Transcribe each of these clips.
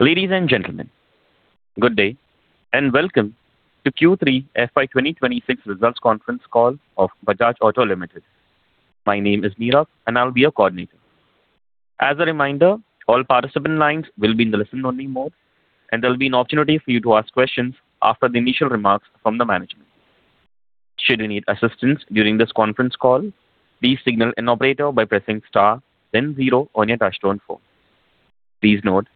Ladies and gentlemen, good day, and welcome to Q3 FY 2026 Results Conference Call of Bajaj Auto Limited. My name is Niraj, and I'll be your coordinator. As a reminder, all participant lines will be in the listen-only mode, and there will be an opportunity for you to ask questions after the initial remarks from the management. Should you need assistance during this conference call, please signal an operator by pressing star, then zero on your touchtone phone. Please note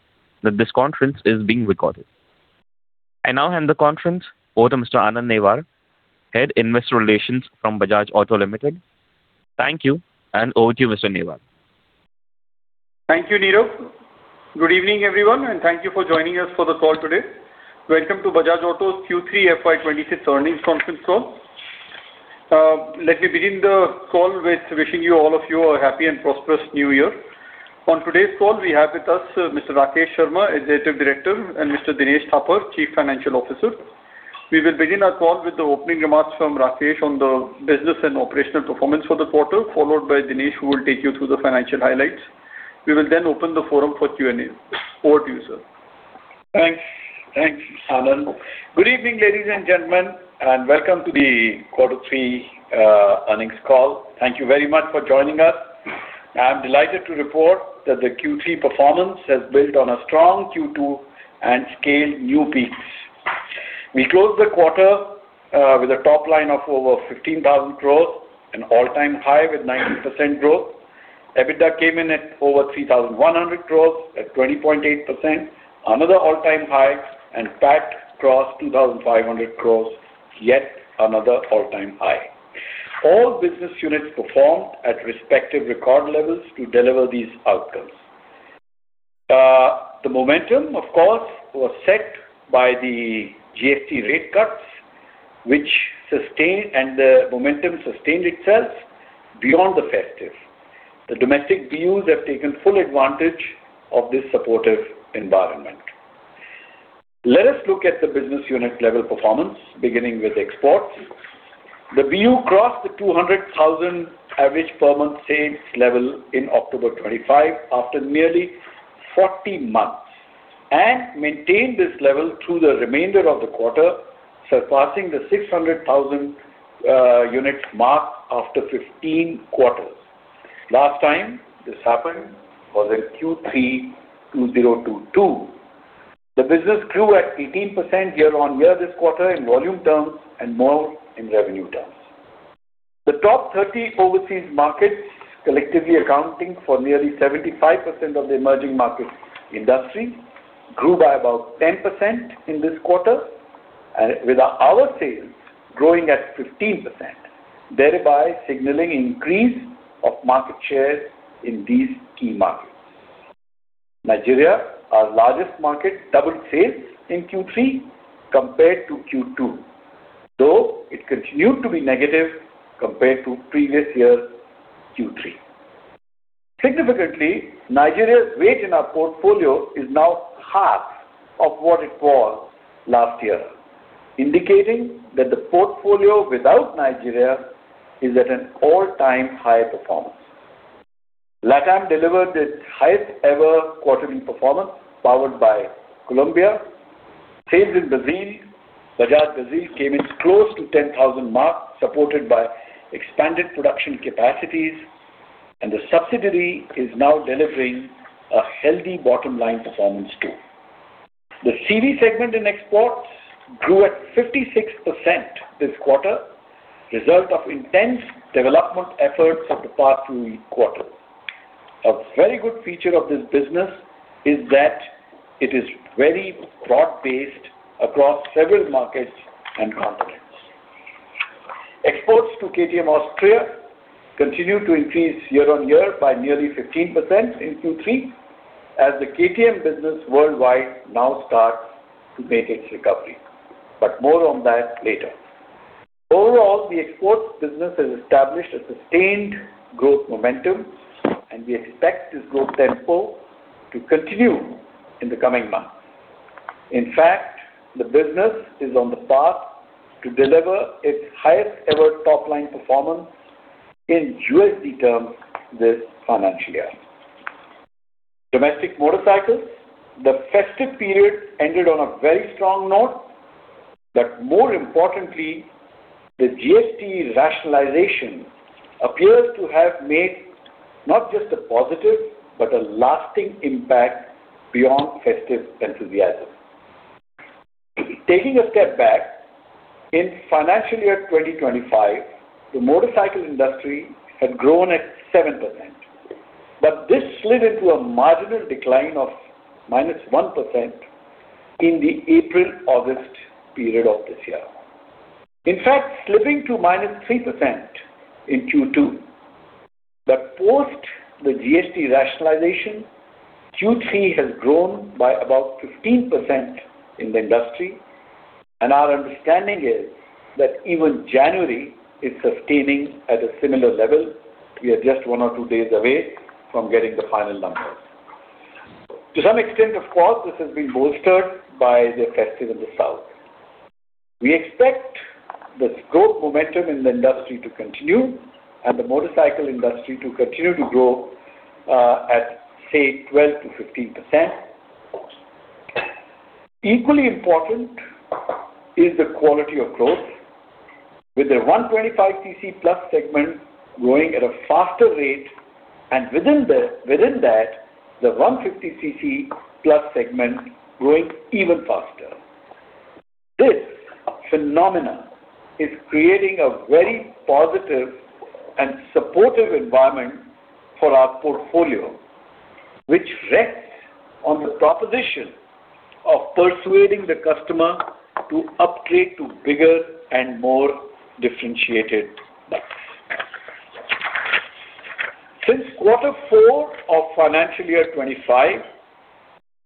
that this conference is being recorded. I now hand the conference over to Mr. Anand Newar, Head, Investor Relations from Bajaj Auto Limited. Thank you, and over to you, Mr. Newar. Thank you, Niraj. Good evening, everyone, and thank you for joining us for the call today. Welcome to Bajaj Auto's Q3 FY26 earnings conference call. Let me begin the call with wishing you, all of you, a happy and prosperous New Year. On today's call, we have with us, Mr. Rakesh Sharma, Executive Director, and Mr. Dinesh Thapar, Chief Financial Officer. We will begin our call with the opening remarks from Rakesh on the business and operational performance for the quarter, followed by Dinesh, who will take you through the financial highlights. We will then open the forum for Q&A. Over to you, sir. Thanks. Thanks, Anand. Good evening, ladies and gentlemen, and welcome to the Quarter Three earnings call. Thank you very much for joining us. I'm delighted to report that the Q3 performance has built on a strong Q2 and scaled new peaks. We closed the quarter with a top line of over 15,000 crore, an all-time high with 19% growth. EBITDA came in at over 3,100 crore at 20.8%, another all-time high, and PAT crossed 2,500 crore, yet another all-time high. All business units performed at respective record levels to deliver these outcomes. The momentum, of course, was set by the GST rate cuts, which sustained, and the momentum sustained itself beyond the festive. The domestic BU have taken full advantage of this supportive environment. Let us look at the business unit level performance, beginning with exports. The BU crossed the 200,000 average per month sales level in October 2025, after nearly 40 months, and maintained this level through the remainder of the quarter, surpassing the 600,000 unit mark after 15 quarters. Last time this happened was in Q3 2022. The business grew at 18% year-on-year this quarter in volume terms and more in revenue terms. The top 30 overseas markets, collectively accounting for nearly 75% of the emerging market industry, grew by about 10% in this quarter, and with our sales growing at 15%, thereby signaling increase of market share in these key markets. Nigeria, our largest market, doubled sales in Q3 compared to Q2, though it continued to be negative compared to previous year, Q3. Significantly, Nigeria's weight in our portfolio is now half of what it was last year, indicating that the portfolio without Nigeria is at an all-time high performance. LATAM delivered its highest ever quarterly performance, powered by Colombia. Sales in Brazil, Bajaj Brazil, came in close to 10,000 mark, supported by expanded production capacities, and the subsidiary is now delivering a healthy bottom line performance, too. The CV segment in exports grew at 56% this quarter, result of intense development efforts of the past three quarters. A very good feature of this business is that it is very broad-based across several markets and continents. Exports to KTM Austria continued to increase year-on-year by nearly 15% in Q3, as the KTM business worldwide now starts to make its recovery. But more on that later. Overall, the exports business has established a sustained growth momentum, and we expect this growth tempo to continue in the coming months. In fact, the business is on the path to deliver its highest ever top-line performance in USD terms this financial year. Domestic motorcycles, the festive period ended on a very strong note, but more importantly, the GST rationalization appears to have made not just a positive, but a lasting impact beyond festive enthusiasm. Taking a step back, in financial year 2025, the motorcycle industry had grown at 7%, but this slid into a marginal decline of -1% in the April-August period of this year. In fact, slipping to -3% in Q2. But post the GST rationalization, Q3 has grown by about 15% in the industry, and our understanding is that even January is sustaining at a similar level. We are just 1 or 2 days away from getting the final numbers. To some extent, of course, this has been bolstered by the festive in the South.... We expect the growth momentum in the industry to continue and the motorcycle industry to continue to grow, at, say, 12%-15%. Equally important is the quality of growth, with the 125 cc plus segment growing at a faster rate, and within the, within that, the 150 cc plus segment growing even faster. This phenomenon is creating a very positive and supportive environment for our portfolio, which rests on the proposition of persuading the customer to upgrade to bigger and more differentiated bikes. Since quarter four of financial year 25,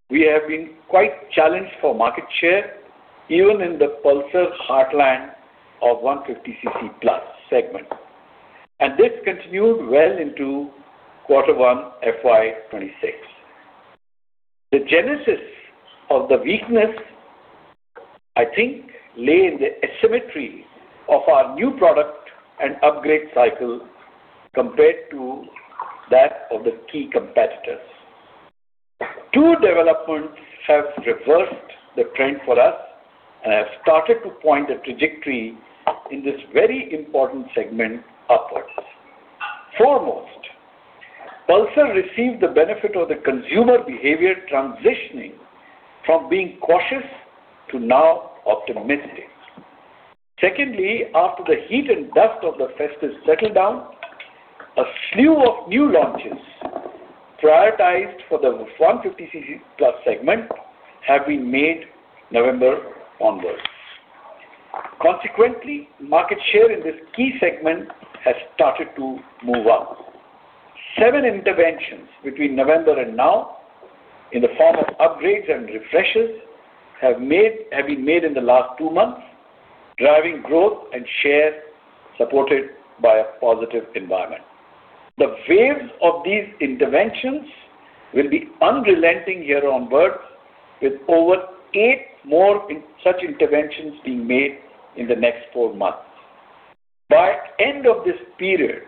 we have been quite challenged for market share, even in the Pulsar heartland of 150 cc plus segment, and this continued well into quarter one, FY 26. The genesis of the weakness, I think, lay in the asymmetry of our new product and upgrade cycle compared to that of the key competitors. Two developments have reversed the trend for us and have started to point a trajectory in this very important segment upwards. Foremost, Pulsar received the benefit of the consumer behavior transitioning from being cautious to now optimistic. Secondly, after the heat and dust of the festive settled down, a slew of new launches prioritized for the 150 cc plus segment have been made November onwards. Consequently, market share in this key segment has started to move up. 7 interventions between November and now, in the form of upgrades and refreshes, have been made in the last 2 months, driving growth and share, supported by a positive environment. The waves of these interventions will be unrelenting here onwards, with over 8 more in such interventions being made in the next 4 months. By end of this period,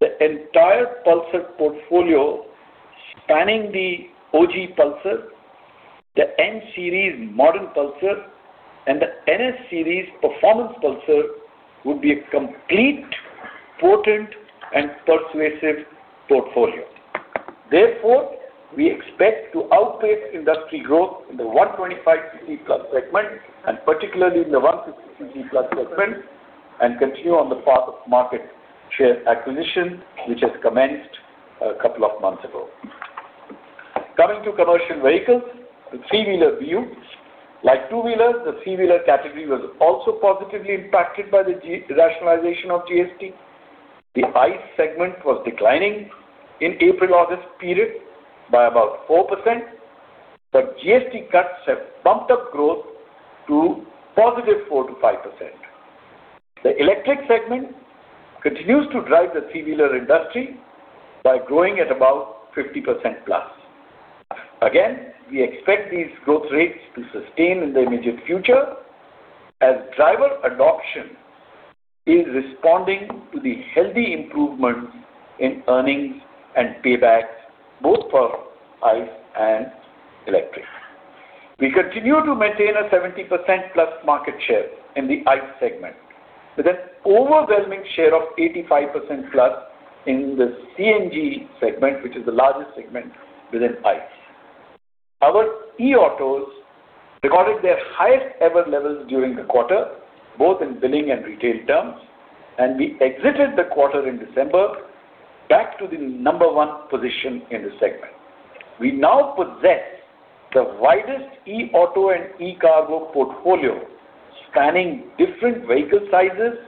the entire Pulsar portfolio, spanning the OG Pulsar, the N Series modern Pulsar, and the NS Series performance Pulsar, would be a complete, potent, and persuasive portfolio. Therefore, we expect to outpace industry growth in the 125 cc plus segment, and particularly in the 150 cc plus segment, and continue on the path of market share acquisition, which has commenced a couple of months ago. Coming to commercial vehicles, the three-wheeler view. Like two-wheelers, the three-wheeler category was also positively impacted by the GST rationalization. The ICE segment was declining in April of this period by about 4%, but GST cuts have bumped up growth to positive 4%-5%. The electric segment continues to drive the three-wheeler industry by growing at about 50%+. Again, we expect these growth rates to sustain in the immediate future as driver adoption is responding to the healthy improvements in earnings and paybacks, both for ICE and electric. We continue to maintain a 70%+ market share in the ICE segment, with an overwhelming share of 85%+ in the CNG segment, which is the largest segment within ICE. Our eautos recorded their highest ever levels during the quarter, both in billing and retail terms, and we exited the quarter in December back to the number one position in the segment. We now possess the widest e-auto and e-cargo portfolio, spanning different vehicle sizes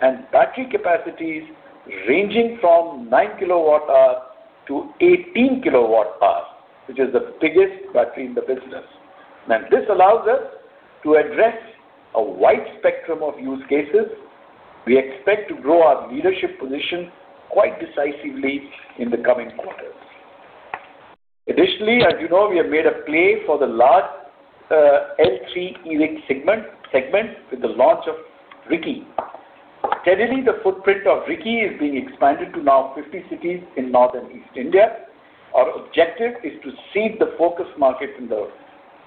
and battery capacities ranging from 9 kWh to 18 kWh, which is the biggest battery in the business. Now, this allows us to address a wide spectrum of use cases. We expect to grow our leadership position quite decisively in the coming quarters. Additionally, as you know, we have made a play for the large L3 electric segment with the launch of E-Riki. Steadily, the footprint of E-Riki is being expanded to now 50 cities in North and East India. Our objective is to seed the focus market in the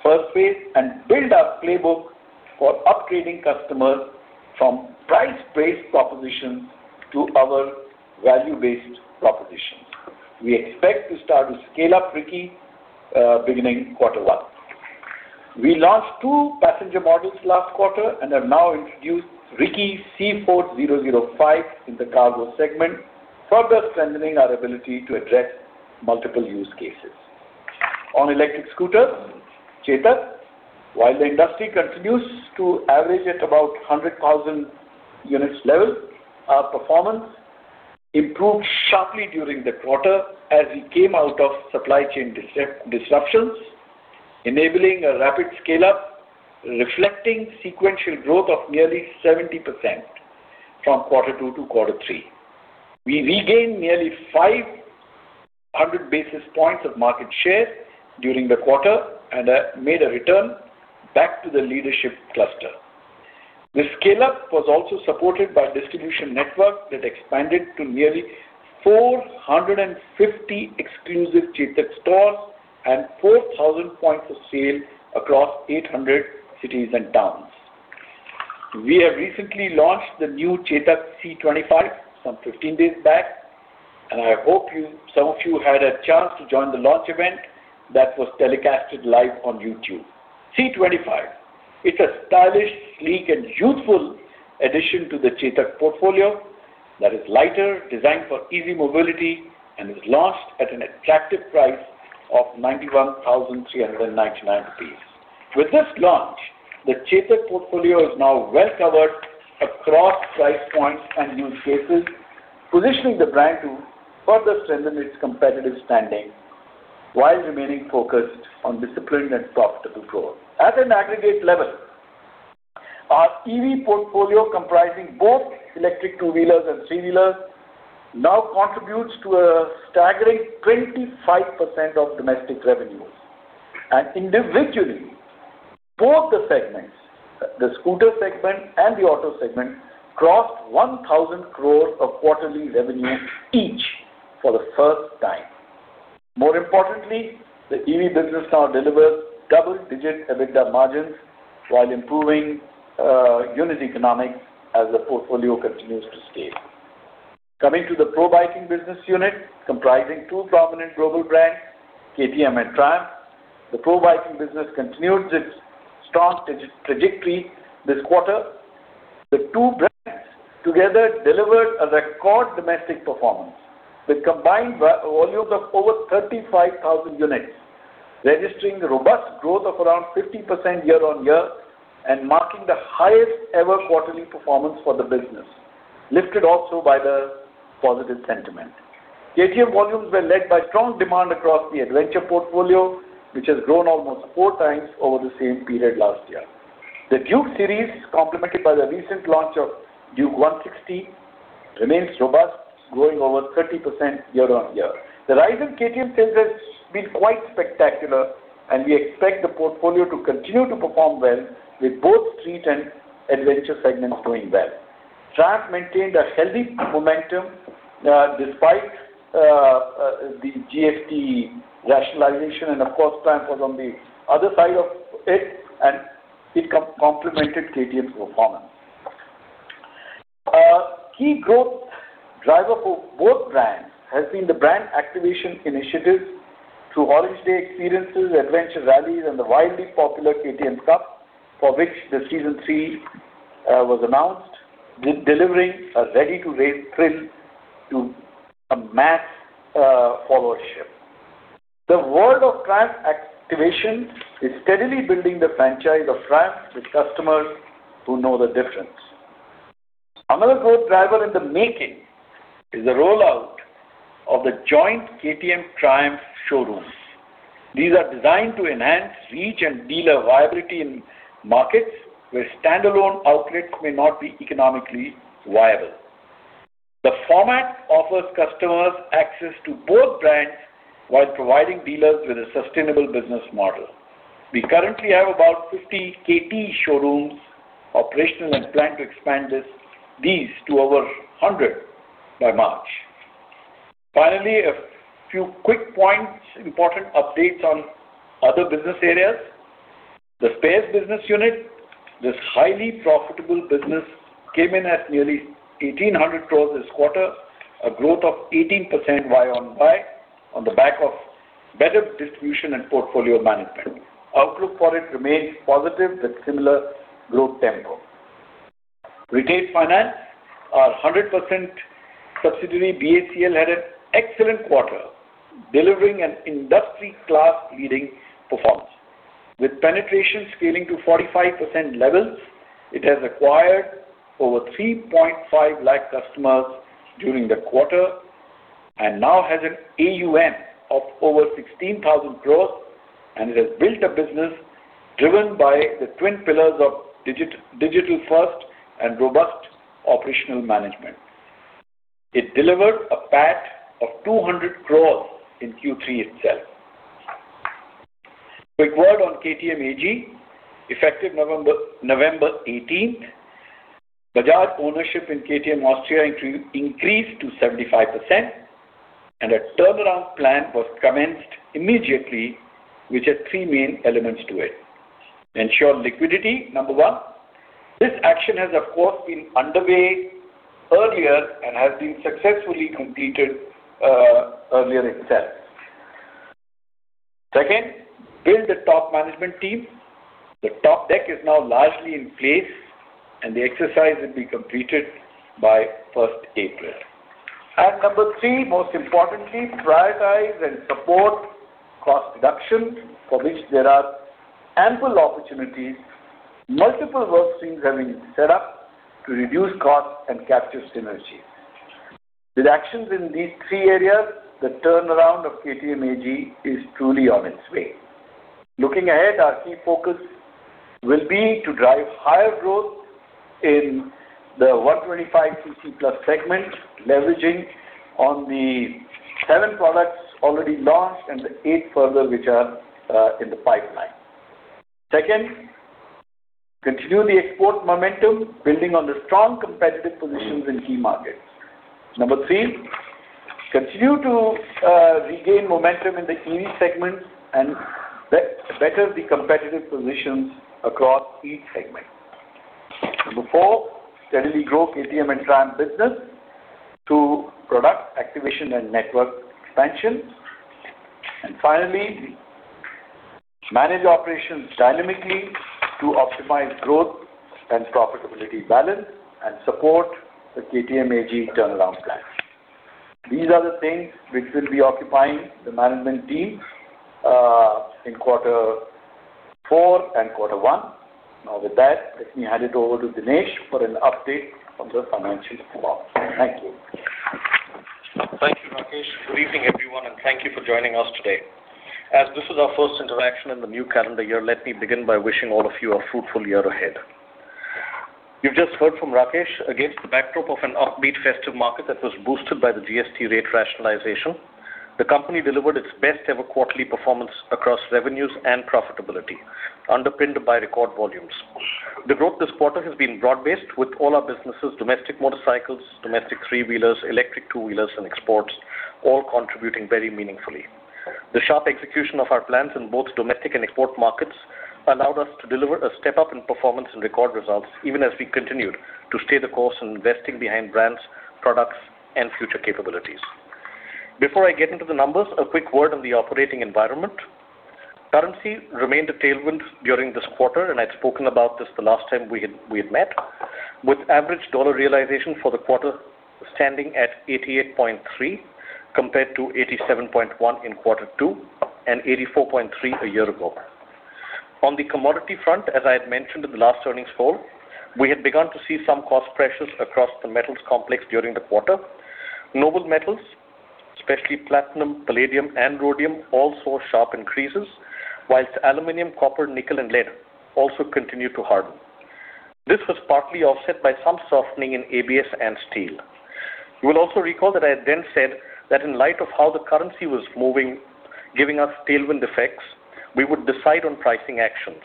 first phase and build our playbook for upgrading customers from price-based propositions to our value-based propositions. We expect to start to scale up E-Riki beginning quarter one. We launched two passenger models last quarter and have now introduced Rick C4005 in the cargo segment, further strengthening our ability to address multiple use cases. On electric scooters, Chetak, while the industry continues to average at about 100,000 units level, our performance improved sharply during the quarter as we came out of supply chain disruptions, enabling a rapid scale-up, reflecting sequential growth of nearly 70% from quarter two to quarter three. We regained nearly 500 basis points of market share during the quarter, and made a return back to the leadership cluster. This scale-up was also supported by distribution network that expanded to nearly 450 exclusive Chetak stores and 4,000 points of sale across 800 cities and towns. We have recently launched the new Chetak C25, some 15 days back, and I hope you, some of you had a chance to join the launch event that was telecasted live on YouTube. C25, it's a stylish, sleek, and youthful addition to the Chetak portfolio that is lighter, designed for easy mobility, and is launched at an attractive price of 91,399 rupees. With this launch, the Chetak portfolio is now well covered across price points and use cases, positioning the brand to further strengthen its competitive standing while remaining focused on disciplined and profitable growth. At an aggregate level, our EV portfolio, comprising both electric two-wheelers and three-wheelers, now contributes to a staggering 25% of domestic revenues. And individually, both the segments, the scooter segment and the auto segment, crossed 1,000 crores of quarterly revenues each for the first time. More importantly, the EV business now delivers double-digit EBITDA margins while improving unit economics as the portfolio continues to scale. Coming to the Pro Biking business unit, comprising two prominent global brands, KTM and Triumph. The Pro Biking business continued its strong digital trajectory this quarter. The two brands together delivered a record domestic performance with combined volumes of over 35,000 units, registering a robust growth of around 50% year-on-year, and marking the highest ever quarterly performance for the business, lifted also by the positive sentiment. KTM volumes were led by strong demand across the Adventure portfolio, which has grown almost four times over the same period last year. The Duke series, complemented by the recent launch of Duke 160, remains robust, growing over 30% year-on-year. The rise in KTM sales has been quite spectacular, and we expect the portfolio to continue to perform well, with both Street and Adventure segments doing well. Triumph maintained a healthy momentum, despite the GST rationalization, and of course, Triumph was on the other side of it, and it complemented KTM's performance. A key growth driver for both brands has been the brand activation initiatives through Orange Day experiences, Adventure Rallies, and the widely popular KTM Cup, for which the Season Three was announced, delivering a ready-to-race thrill to a mass followership. The world of Triumph activation is steadily building the franchise of Triumph with customers who know the difference. Another growth driver in the making is the rollout of the joint KTM Triumph showrooms. These are designed to enhance reach and dealer viability in markets where standalone outlets may not be economically viable. The format offers customers access to both brands while providing dealers with a sustainable business model. We currently have about 50 KT showrooms operational and plan to expand these to over 100 by March. Finally, a few quick points, important updates on other business areas. The spares business unit. This highly profitable business came in at nearly 1,800 crores this quarter, a growth of 18% year-on-year, on the back of better distribution and portfolio management. Outlook for it remains positive, with similar growth tempo. Retail finance, our 100% subsidiary, BACL, had an excellent quarter, delivering an industry-class leading performance. With penetration scaling to 45% levels, it has acquired over 3.5 lakh customers during the quarter, and now has an AUM of over 16,000 crore, and it has built a business driven by the twin pillars of digital first and robust operational management. It delivered a PAT of 200 crore in Q3 itself. Quick word on KTM AG. Effective November eighteenth, Bajaj ownership in KTM Austria increased to 75%, and a turnaround plan was commenced immediately, which had three main elements to it. Ensure liquidity, number one. This action has, of course, been underway earlier and has been successfully completed earlier itself. Second, build the top management team. The top deck is now largely in place, and the exercise will be completed by first April. Number 3, most importantly, prioritize and support cost reduction, for which there are ample opportunities. Multiple work streams have been set up to reduce costs and capture synergy. With actions in these 3 areas, the turnaround of KTM AG is truly on its way. Looking ahead, our key focus will be to drive higher growth in the 125 cc plus segment, leveraging on the 7 products already launched and the 8 further, which are in the pipeline. Second, continue the export momentum, building on the strong competitive positions in key markets. Number 3, continue to regain momentum in the EV segment and better the competitive positions across each segment. Number 4, steadily grow KTM and Triumph business through product activation and network expansion. And finally, manage operations dynamically to optimize growth and profitability balance, and support the KTM AG turnaround plan. These are the things which will be occupying the management team in quarter four and quarter one. Now, with that, let me hand it over to Dinesh for an update on the financial performance. Thank you. Thank you, Rakesh. Good evening, everyone, and thank you for joining us today. As this is our first interaction in the new calendar year, let me begin by wishing all of you a fruitful year ahead. You've just heard from Rakesh. Against the backdrop of an upbeat festive market that was boosted by the GST rate rationalization, the company delivered its best-ever quarterly performance across revenues and profitability, underpinned by record volumes. The growth this quarter has been broad-based, with all our businesses, domestic motorcycles, domestic three-wheelers, electric two-wheelers and exports, all contributing very meaningfully. The sharp execution of our plans in both domestic and export markets allowed us to deliver a step-up in performance and record results, even as we continued to stay the course in investing behind brands, products, and future capabilities. Before I get into the numbers, a quick word on the operating environment. Currency remained a tailwind during this quarter, and I'd spoken about this the last time we had met, with average dollar realization for the quarter standing at $88.3, compared to $87.1 in quarter two and $84.3 a year ago. On the commodity front, as I had mentioned in the last earnings call, we had begun to see some cost pressures across the metals complex during the quarter. Noble metals, especially platinum, palladium, and rhodium, all saw sharp increases, while aluminum, copper, nickel, and lead also continued to harden. This was partly offset by some softening in ABS and steel. You will also recall that I had then said that in light of how the currency was moving, giving us tailwind effects, we would decide on pricing actions.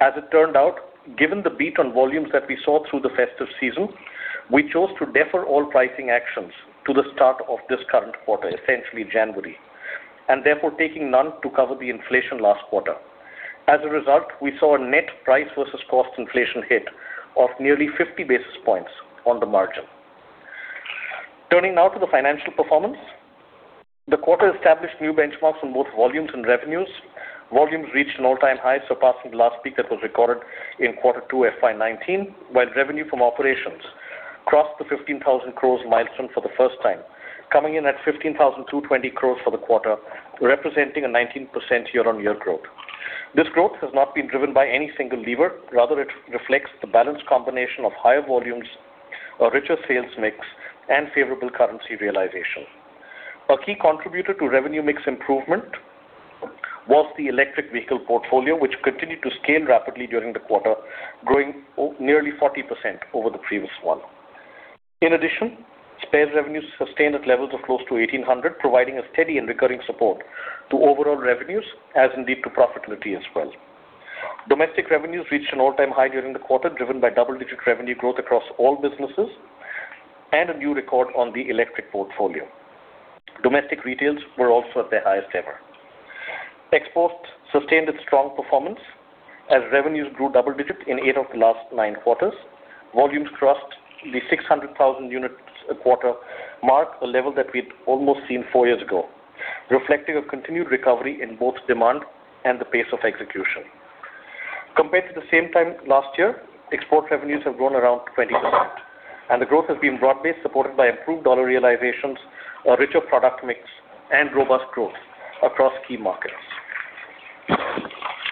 As it turned out, given the beat on volumes that we saw through the festive season, we chose to defer all pricing actions to the start of this current quarter, essentially January, and therefore taking none to cover the inflation last quarter. As a result, we saw a net price versus cost inflation hit of nearly 50 basis points on the margin. Turning now to the financial performance. The quarter established new benchmarks on both volumes and revenues. Volumes reached an all-time high, surpassing the last peak that was recorded in quarter 2, FY 2019, while revenue from operations crossed the 15,000 crore milestone for the first time, coming in at 15,220 crore for the quarter, representing a 19% year-on-year growth. This growth has not been driven by any single lever. Rather, it reflects the balanced combination of higher volumes, a richer sales mix, and favorable currency realization. A key contributor to revenue mix improvement was the electric vehicle portfolio, which continued to scale rapidly during the quarter, growing nearly 40% over the previous one. In addition, spare revenues sustained at levels of close to 1,800, providing a steady and recurring support to overall revenues, as indeed to profitability as well. Domestic revenues reached an all-time high during the quarter, driven by double-digit revenue growth across all businesses and a new record on the electric portfolio. Domestic retails were also at their highest ever. Exports sustained its strong performance as revenues grew double digits in 8 of the last 9 quarters. Volumes crossed the 600,000 units-a-quarter mark, a level that we'd almost seen 4 years ago, reflecting a continued recovery in both demand and the pace of execution. Compared to the same time last year, export revenues have grown around 20%, and the growth has been broad-based, supported by improved dollar realizations, a richer product mix, and robust growth across key markets.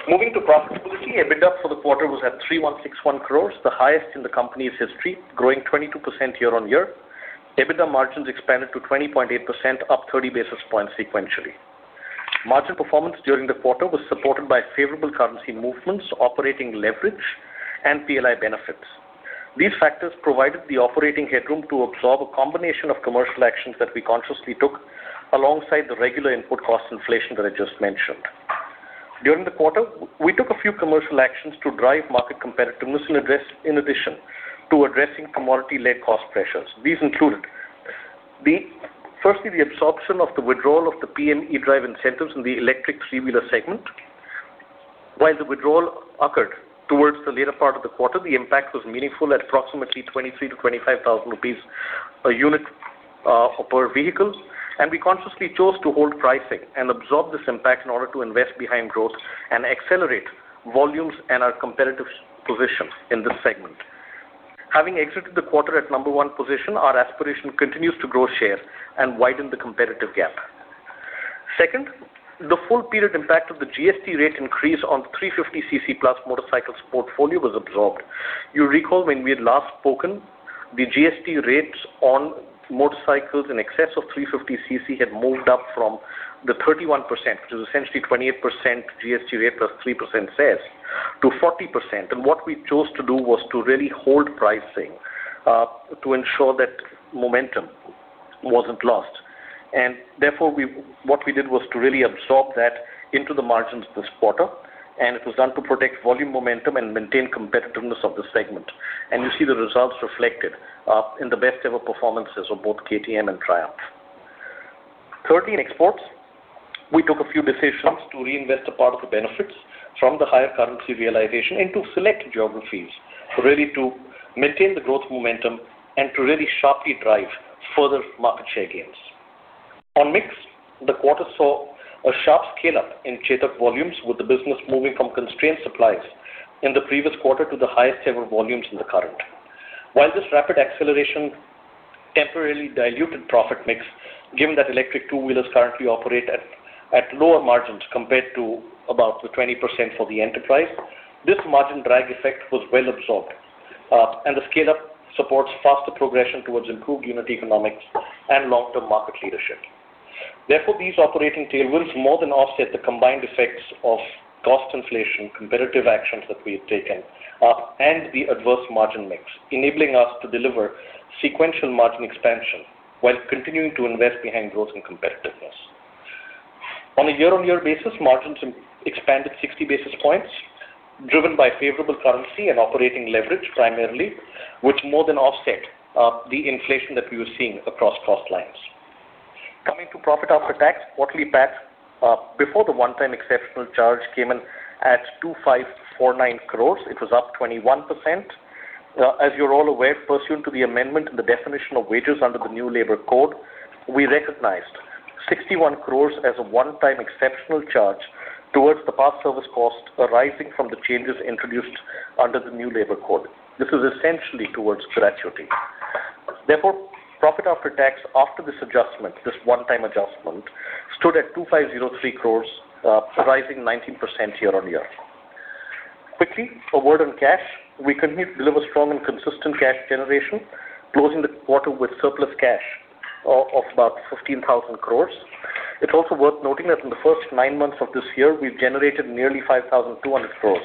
Moving to profitability, EBITDA for the quarter was at 3,161 crores, the highest in the company's history, growing 22% year-on-year. EBITDA margins expanded to 20.8%, up 30 basis points sequentially. Margin performance during the quarter was supported by favorable currency movements, operating leverage, and PLI benefits. These factors provided the operating headroom to absorb a combination of commercial actions that we consciously took, alongside the regular input cost inflation that I just mentioned. During the quarter, we took a few commercial actions to drive market competitiveness and address, in addition to addressing commodity-led cost pressures. These included firstly, the absorption of the withdrawal of the PM E-DRIVE incentives in the electric three-wheeler segment. While the withdrawal occurred towards the later part of the quarter, the impact was meaningful at approximately 23,000-25,000 rupees a unit per vehicles, and we consciously chose to hold pricing and absorb this impact in order to invest behind growth and accelerate volumes and our competitive positions in this segment. Having exited the quarter at number one position, our aspiration continues to grow share and widen the competitive gap. Second, the full period impact of the GST rate increase on 350cc plus motorcycles portfolio was absorbed. You recall when we had last spoken. The GST rates on motorcycles in excess of 350 cc had moved up from the 31%, which is essentially 28% GST rate, plus 3% sales, to 40%. And what we chose to do was to really hold pricing to ensure that momentum wasn't lost. And therefore, what we did was to really absorb that into the margins this quarter, and it was done to protect volume momentum and maintain competitiveness of the segment. And you see the results reflected in the best-ever performances of both KTM and Triumph. Thirdly, in exports, we took a few decisions to reinvest a part of the benefits from the higher currency realization into select geographies, really to maintain the growth momentum and to really sharply drive further market share gains. On mix, the quarter saw a sharp scale-up in Chetak volumes, with the business moving from constrained supplies in the previous quarter to the highest-ever volumes in the current. While this rapid acceleration temporarily diluted profit mix, given that electric two-wheelers currently operate at lower margins compared to about the 20% for the enterprise, this margin drag effect was well absorbed, and the scale-up supports faster progression towards improved unit economics and long-term market leadership. Therefore, these operating tailwinds more than offset the combined effects of cost inflation, competitive actions that we have taken, and the adverse margin mix, enabling us to deliver sequential margin expansion while continuing to invest behind growth and competitiveness. On a year-on-year basis, margins expanded 60 basis points, driven by favorable currency and operating leverage primarily, which more than offset the inflation that we were seeing across cost lines. Coming to profit after tax, quarterly PAT, before the one-time exceptional charge came in at 2,549 crore. It was up 21%. As you're all aware, pursuant to the amendment in the definition of wages under the new labor code, we recognized 61 crore as a one-time exceptional charge towards the past service cost arising from the changes introduced under the new labor code. This is essentially towards gratuity. Therefore, profit after tax, after this adjustment, this one-time adjustment, stood at 2,503 crore, rising 19% year-on-year. Quickly, a word on cash. We continue to deliver strong and consistent cash generation, closing the quarter with surplus cash of about 15,000 crore. It's also worth noting that in the first nine months of this year, we've generated nearly 5,200 crore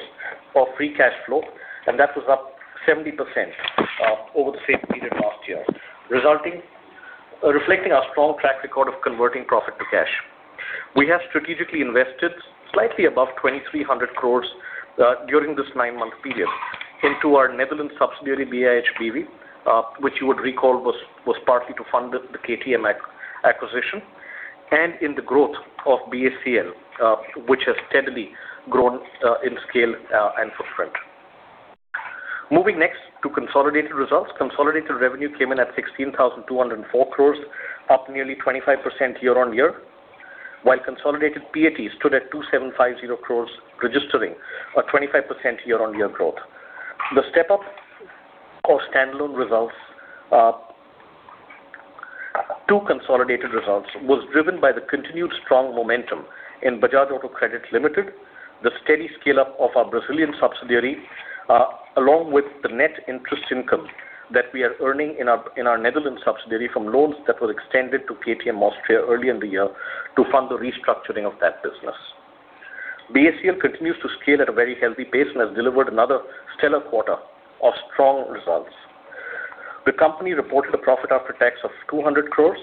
of free cash flow, and that was up 70% over the same period last year, reflecting our strong track record of converting profit to cash. We have strategically invested slightly above 2,300 crore during this nine-month period into our Netherlands subsidiary, BIHBV, which you would recall was partly to fund the KTM acquisition and in the growth of BACL, which has steadily grown in scale and footprint. Moving next to consolidated results. Consolidated revenue came in at 16,204 crore, up nearly 25% year-on-year, while consolidated PAT stood at 2,750 crore, registering a 25% year-on-year growth. The step up of standalone results to consolidated results was driven by the continued strong momentum in Bajaj Auto Credit Limited, the steady scale-up of our Brazilian subsidiary, along with the net interest income that we are earning in our Netherlands subsidiary from loans that were extended to KTM Austria early in the year to fund the restructuring of that business. BACL continues to scale at a very healthy pace and has delivered another stellar quarter of strong results. The company reported a profit after tax of 200 crore,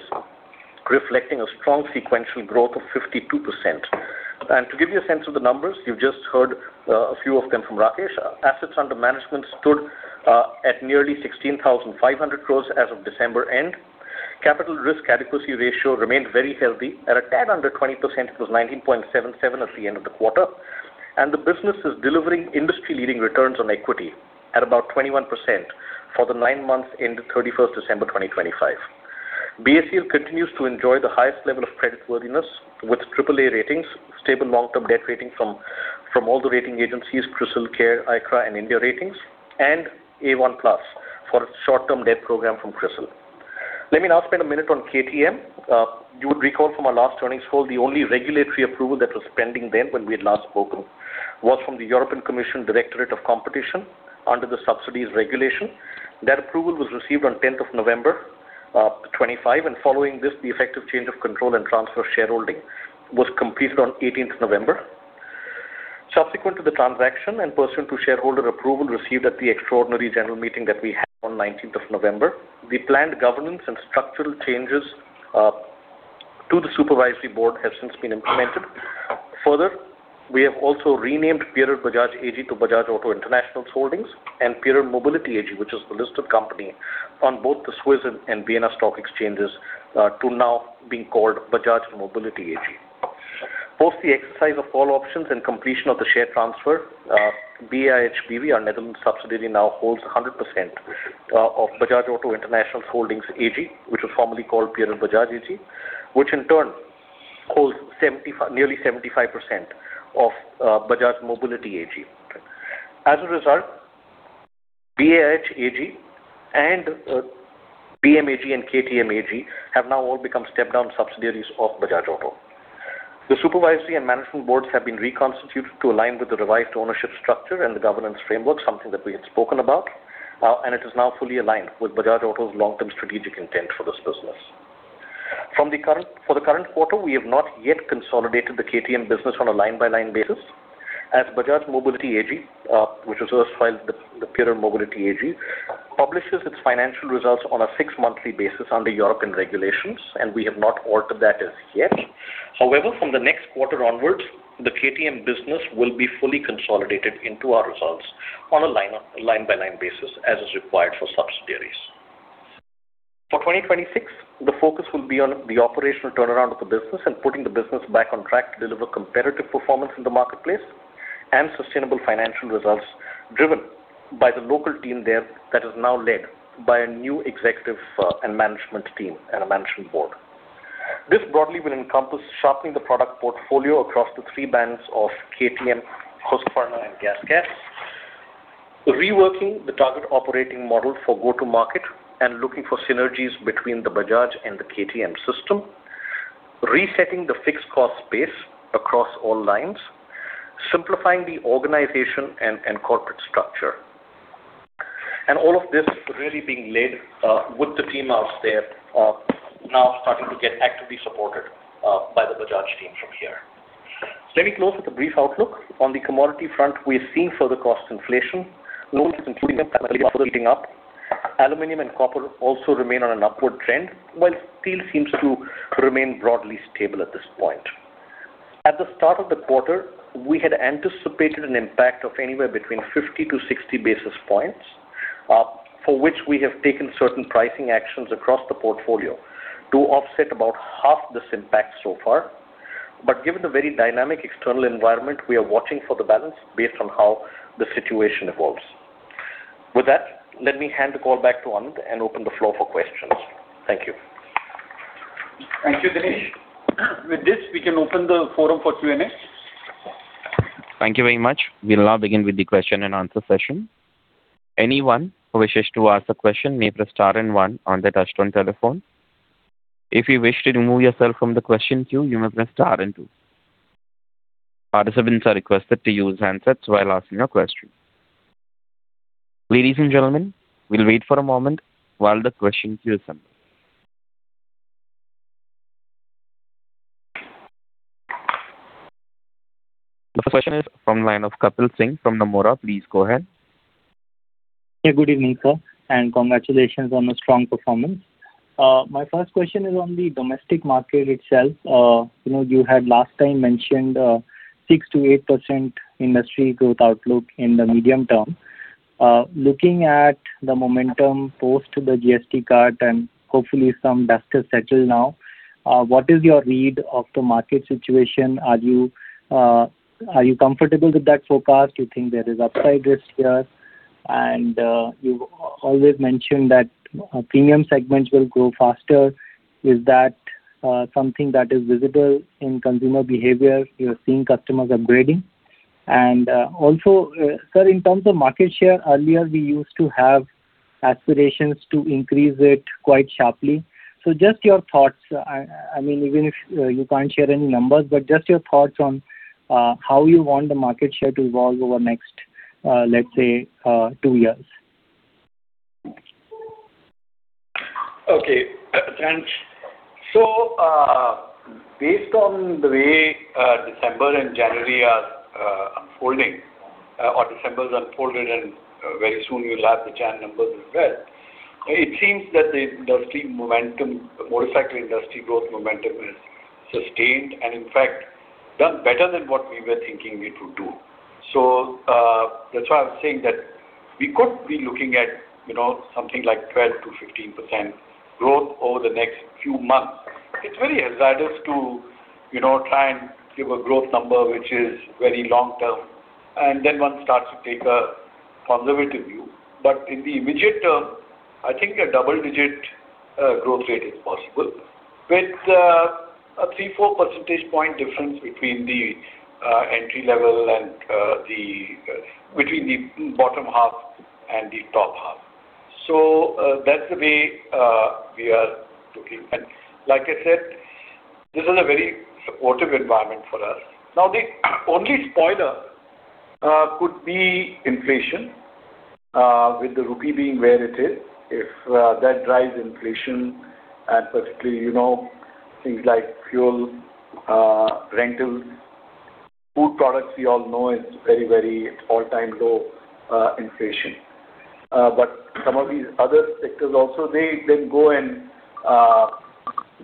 reflecting a strong sequential growth of 52%. To give you a sense of the numbers, you've just heard a few of them from Rakesh. Assets under management stood at nearly 16,500 crore as of December end. Capital risk adequacy ratio remained very healthy at a tad under 20%. It was 19.77 at the end of the quarter. The business is delivering industry-leading returns on equity at about 21% for the nine months end of December 31, 2025. BACL continues to enjoy the highest level of creditworthiness with AAA ratings, stable long-term debt rating from all the rating agencies, CRISIL, CARE, ICRA and India Ratings, and A1+ for its short-term debt program from CRISIL. Let me now spend a minute on KTM. You would recall from our last earnings call, the only regulatory approval that was pending then, when we had last spoken, was from the European Commission Directorate of Competition under the subsidies regulation. That approval was received on 10th of November 2025, and following this, the effective change of control and transfer shareholding was completed on 18th November. Subsequent to the transaction and pursuant to shareholder approval received at the extraordinary general meeting that we had on 19th of November, the planned governance and structural changes to the supervisory board have since been implemented. Further, we have also renamed Pierer Bajaj AG to Bajaj Auto International Holdings and Pierer Mobility AG, which is the listed company on both the Swiss and Vienna stock exchanges, to now being called Bajaj Mobility AG. Post the exercise of all options and completion of the share transfer, BIHBV, our Netherlands subsidiary, now holds 100% of Bajaj Auto International Holdings AG, which was formerly called Pierer Bajaj AG, which in turn holds nearly 75% of Bajaj Mobility AG. As a result, BIH AG and BMAG and KTM AG have now all become step-down subsidiaries of Bajaj Auto. The supervisory and management boards have been reconstituted to align with the revised ownership structure and the governance framework, something that we had spoken about. And it is now fully aligned with Bajaj Auto's long-term strategic intent for this business. For the current quarter, we have not yet consolidated the KTM business on a line-by-line basis, as Bajaj Mobility AG, which is also the former Pierer Mobility AG, publishes its financial results on a six-monthly basis under European regulations, and we have not altered that as yet. However, from the next quarter onwards, the KTM business will be fully consolidated into our results on a line-by-line basis, as is required for subsidiaries. For 2026, the focus will be on the operational turnaround of the business and putting the business back on track to deliver competitive performance in the marketplace and sustainable financial results, driven by the local team there that is now led by a new executive and management team and a management board. This broadly will encompass sharpening the product portfolio across the three brands of KTM, Husqvarna and GasGas. Reworking the target operating model for go-to-market and looking for synergies between the Bajaj and the KTM system. Resetting the fixed cost base across all lines. Simplifying the organization and corporate structure. All of this really being led with the team out there now starting to get actively supported by the Bajaj team from here. Let me close with a brief outlook. On the commodity front, we are seeing further cost inflation, along including heating up. Aluminum and copper also remain on an upward trend, while steel seems to remain broadly stable at this point. At the start of the quarter, we had anticipated an impact of anywhere between 50-60 basis points, for which we have taken certain pricing actions across the portfolio to offset about half this impact so far. But given the very dynamic external environment, we are watching for the balance based on how the situation evolves. With that, let me hand the call back to Anand and open the floor for questions. Thank you. Thank you, Dinesh. With this, we can open the forum for Q&A. Thank you very much. We'll now begin with the question and answer session. Anyone who wishes to ask a question may press star and one on their touchtone telephone. If you wish to remove yourself from the question queue, you may press star and two. Participants are requested to use handsets while asking a question. Ladies and gentlemen, we'll wait for a moment while the questions queue assemble. The first question is from line of Kapil Singh from Nomura. Please go ahead. Hey, good evening, sir, and congratulations on the strong performance. My first question is on the domestic market itself. You know, you had last time mentioned six to eight percent industry growth outlook in the medium term. Looking at the momentum post the GST cut and hopefully some dust is settled now, what is your read of the market situation? Are you comfortable with that forecast? You think there is upside risk here? And you've always mentioned that premium segments will grow faster. Is that something that is visible in consumer behavior? You are seeing customers upgrading? And also, sir, in terms of market share, earlier, we used to have aspirations to increase it quite sharply. So just your thoughts, I mean, even if you can't share any numbers, but just your thoughts on how you want the market share to evolve over next, let's say, two years? Okay. Thanks. So, based on the way December and January are unfolding, or December has unfolded, and very soon we will have the January numbers as well, it seems that the industry momentum, the motorcycle industry growth momentum is sustained and in fact, done better than what we were thinking we would do. So, that's why I was saying that we could be looking at, you know, something like 12%-15% growth over the next few months. It's very hazardous to, you know, try and give a growth number, which is very long term, and then one starts to take a conservative view. But in the immediate term, I think a double-digit growth rate is possible, with a 3-4 percentage point difference between the entry level and the between the bottom half and the top half. So, that's the way we are looking. And like I said, this is a very supportive environment for us. Now, the only spoiler could be inflation with the rupee being where it is. If that drives inflation, and particularly, you know, things like fuel, rental, food products, we all know it's very, very at all-time low inflation. But some of these other sectors also, they go and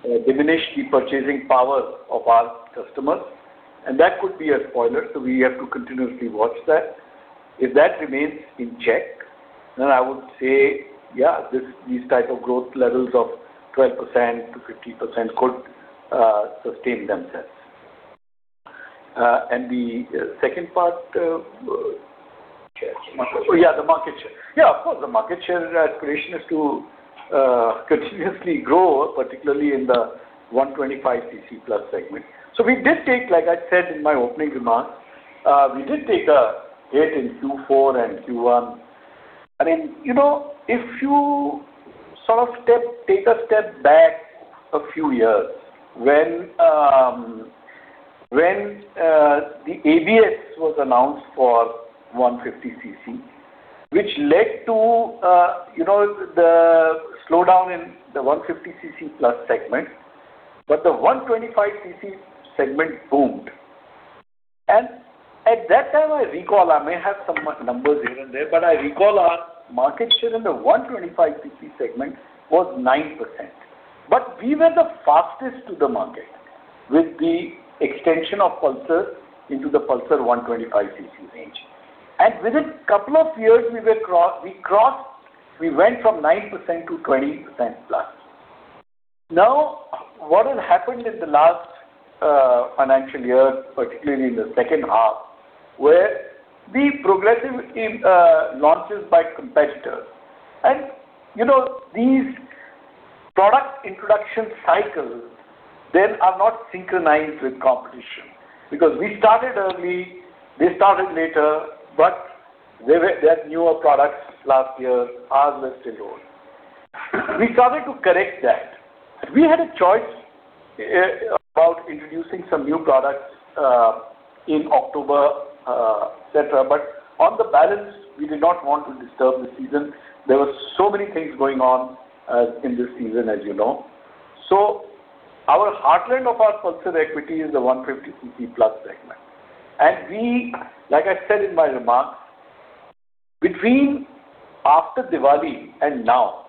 diminish the purchasing power of our customers, and that could be a spoiler, so we have to continuously watch that. If that remains in check, then I would say, yeah, this, these type of growth levels of 12%-15% could sustain themselves. And the second part, Market share. Oh, yeah, the market share. Yeah, of course, the market share aspiration is to continuously grow, particularly in the 125 cc plus segment. So we did take, like I said in my opening remarks, we did take a hit in Q4 and Q1. I mean, you know, if you sort of step, take a step back a few years when the ABS was announced for 150 cc, which led to, you know, the slowdown in the 150 cc plus segment, but the 125 cc segment boomed. And at that time, I recall, I may have some numbers here and there, but I recall our market share in the 125 cc segment was 9%. But we were the fastest to the market with the extension of Pulsar into the Pulsar 125 cc range. Within a couple of years, we crossed, we went from 9% to 20% plus. Now, what has happened in the last financial year, particularly in the second half, where the progressive launches by competitors. And you know, these product introduction cycles, they are not synchronized with competition. Because we started early, they started later, but they were, they had newer products last year, ours were still old. We started to correct that. We had a choice about introducing some new products in October, et cetera. But on the balance, we did not want to disturb the season. There were so many things going on in this season, as you know. So our heartland of our Pulsar equity is the 150 cc plus segment. We, like I said in my remarks, between after Diwali and now,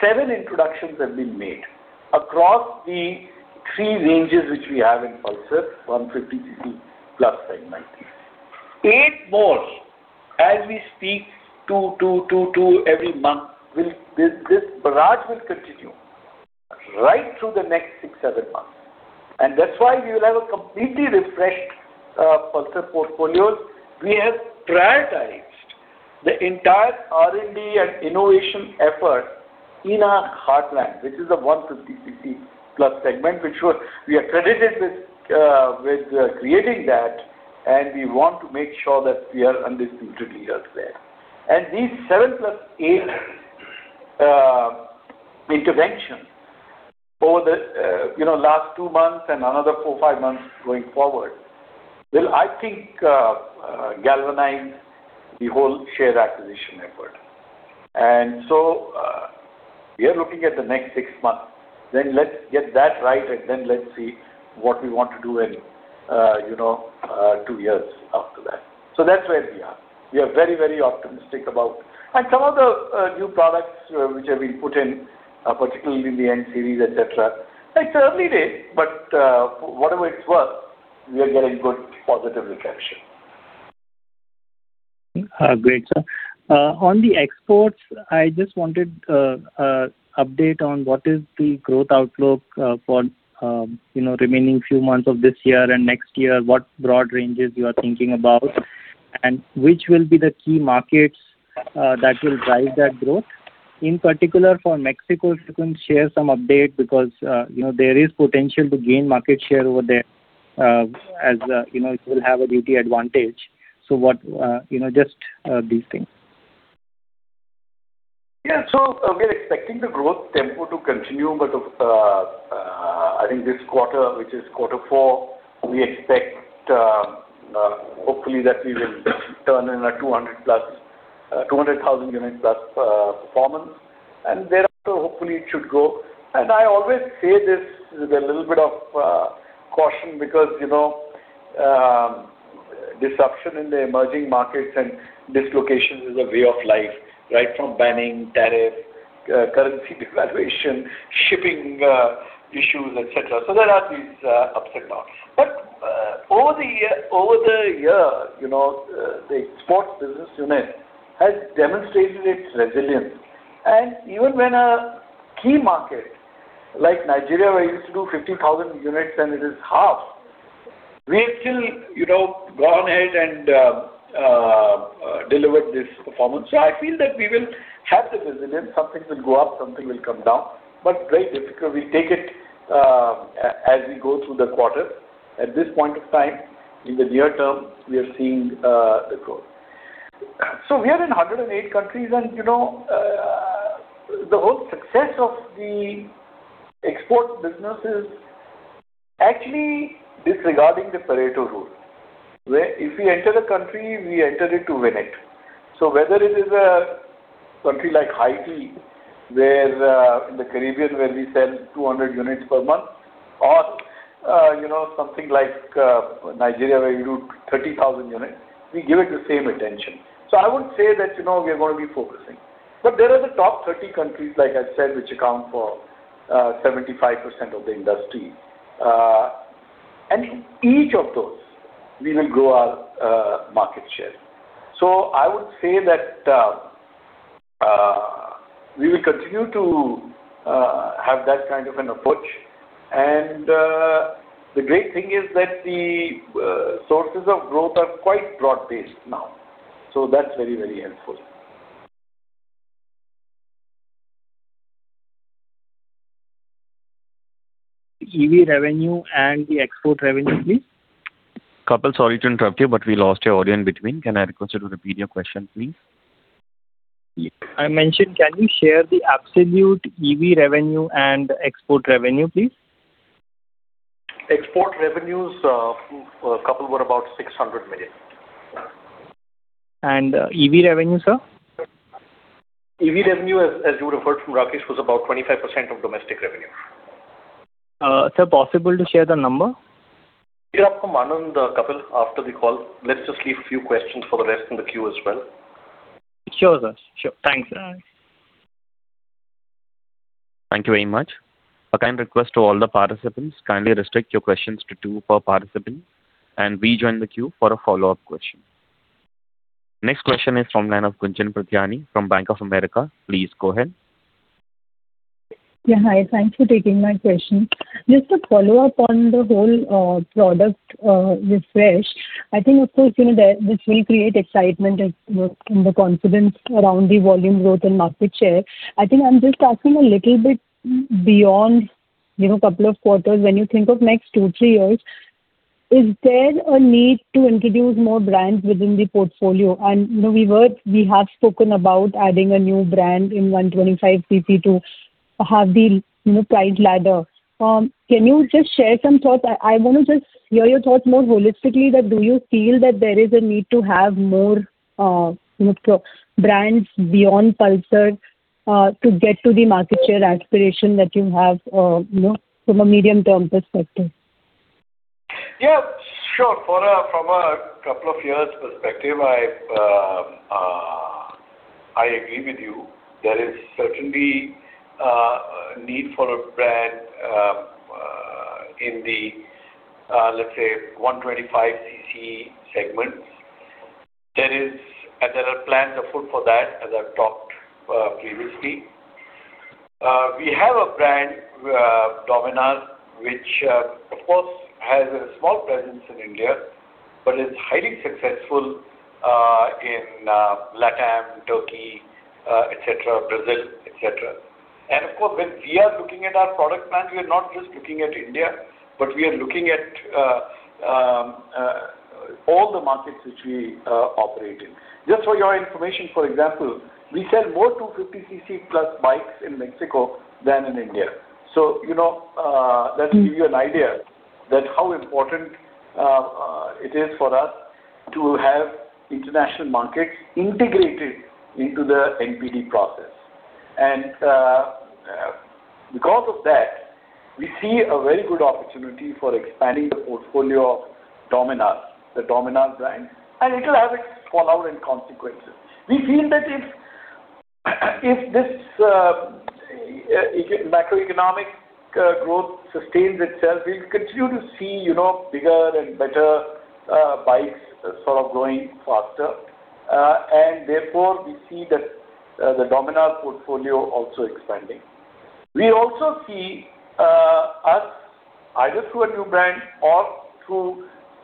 7 introductions have been made across the three ranges, which we have in Pulsar, 150 cc plus segment. 8 more as we speak, 2, 2, 2, 2 every month, will this barrage will continue right through the next 6-7 months. And that's why we will have a completely refreshed Pulsar portfolios. We have prioritized the entire R&D and innovation effort in our heartland, which is the 150 cc plus segment, which we are credited with creating that, and we want to make sure that we are undisputed leaders there. And these 7 + 8 intervention over the you know last two months and another 4-5 months going forward, will, I think, galvanize the whole share acquisition effort. And so, we are looking at the next six months. Then let's get that right, and then let's see what we want to do in, you know, two years after that. So that's where we are. We are very, very optimistic about... And some of the, new products which have been put in, particularly in the N Series, et cetera, it's early days, but, whatever it's worth, we are getting good positive reception. Great, sir. On the exports, I just wanted an update on what is the growth outlook for you know, remaining few months of this year and next year, what broad ranges you are thinking about, and which will be the key markets that will drive that growth? In particular, for Mexico, if you can share some update, because you know, there is potential to gain market share over there, as you know, it will have a duty advantage. So what you know, just these things. Yeah. So we are expecting the growth tempo to continue, but I think this quarter, which is quarter four, we expect hopefully that we will turn in a 200-plus 200,000-unit-plus performance, and thereafter, hopefully, it should grow. And I always say this with a little bit of caution because, you know, disruption in the emerging markets and dislocation is a way of life, right? From banning, tariff, currency devaluation, shipping issues, et cetera. So there are these ups and downs. But over the year, over the year, you know, the sports business unit has demonstrated its resilience. And even when a key market like Nigeria, where we used to do 50,000 units and it is half, we have still, you know, gone ahead and delivered this performance. So I feel that we will have the resilience. Something will go up, something will come down, but very difficult. We take it as we go through the quarter. At this point of time, in the near term, we are seeing the growth. So we are in 108 countries, and, you know, the whole success of the export business is actually disregarding the Pareto rule, where if we enter a country, we enter it to win it. So whether it is a country like Haiti, where, in the Caribbean, where we sell 200 units per month, or, you know, something like Nigeria, where we do 30,000 units, we give it the same attention. So I would say that, you know, we are going to be focusing. But there are the top 30 countries, like I said, which account for 75% of the industry. And in each of those, we will grow our market share. So I would say that we will continue to have that kind of an approach. And the great thing is that the sources of growth are quite broad-based now. So that's very, very helpful. ... EV revenue and the export revenue, please? Kapil, sorry to interrupt you, but we lost your audio in between. Can I request you to repeat your question, please? I mentioned, can you share the absolute EV revenue and export revenue, please? Export revenues, Kapil, were about 600 million. EV revenue, sir? EV revenue, as you would have heard from Rakesh, was about 25% of domestic revenue. Sir, possible to share the number? Hear from Anand, Kapil, after the call. Let's just leave a few questions for the rest in the queue as well. Sure, sir. Sure. Thanks. Thank you very much. A kind request to all the participants, kindly restrict your questions to two per participant, and rejoin the queue for a follow-up question. Next question is from the line of Gunjan Prithyani from Bank of America. Please go ahead. Yeah, hi. Thanks for taking my question. Just to follow up on the whole, product, refresh, I think, of course, you know, that this will create excitement and the confidence around the volume growth and market share. I think I'm just asking a little bit beyond, you know, couple of quarters. When you think of next 2-3 years, is there a need to introduce more brands within the portfolio? And, you know, we have spoken about adding a new brand in 125 cc to have the, you know, price ladder. Can you just share some thoughts? I want to just hear your thoughts more holistically, that do you feel that there is a need to have more, you know, proper brands beyond Pulsar, you know, from a medium-term perspective? Yeah, sure. From a couple of years perspective, I agree with you. There is certainly a need for a brand in the, let's say, 125 cc segment. There are plans afoot for that, as I've talked previously. We have a brand, Dominar, which, of course, has a small presence in India, but is highly successful in LATAM, Turkey, et cetera, Brazil, et cetera. And of course, when we are looking at our product plan, we are not just looking at India, but we are looking at all the markets which we operate in. Just for your information, for example, we sell more 250 cc+ bikes in Mexico than in India. So, you know, that should give you an idea that how important it is for us to have international markets integrated into the NPD process. And because of that, we see a very good opportunity for expanding the portfolio of Dominar, the Dominar brand, and it'll have its follow and consequences. We feel that if this macroeconomic growth sustains itself, we'll continue to see, you know, bigger and better bikes sort of growing faster. And therefore, we see that the Dominar portfolio also expanding. We also see us, either through a new brand or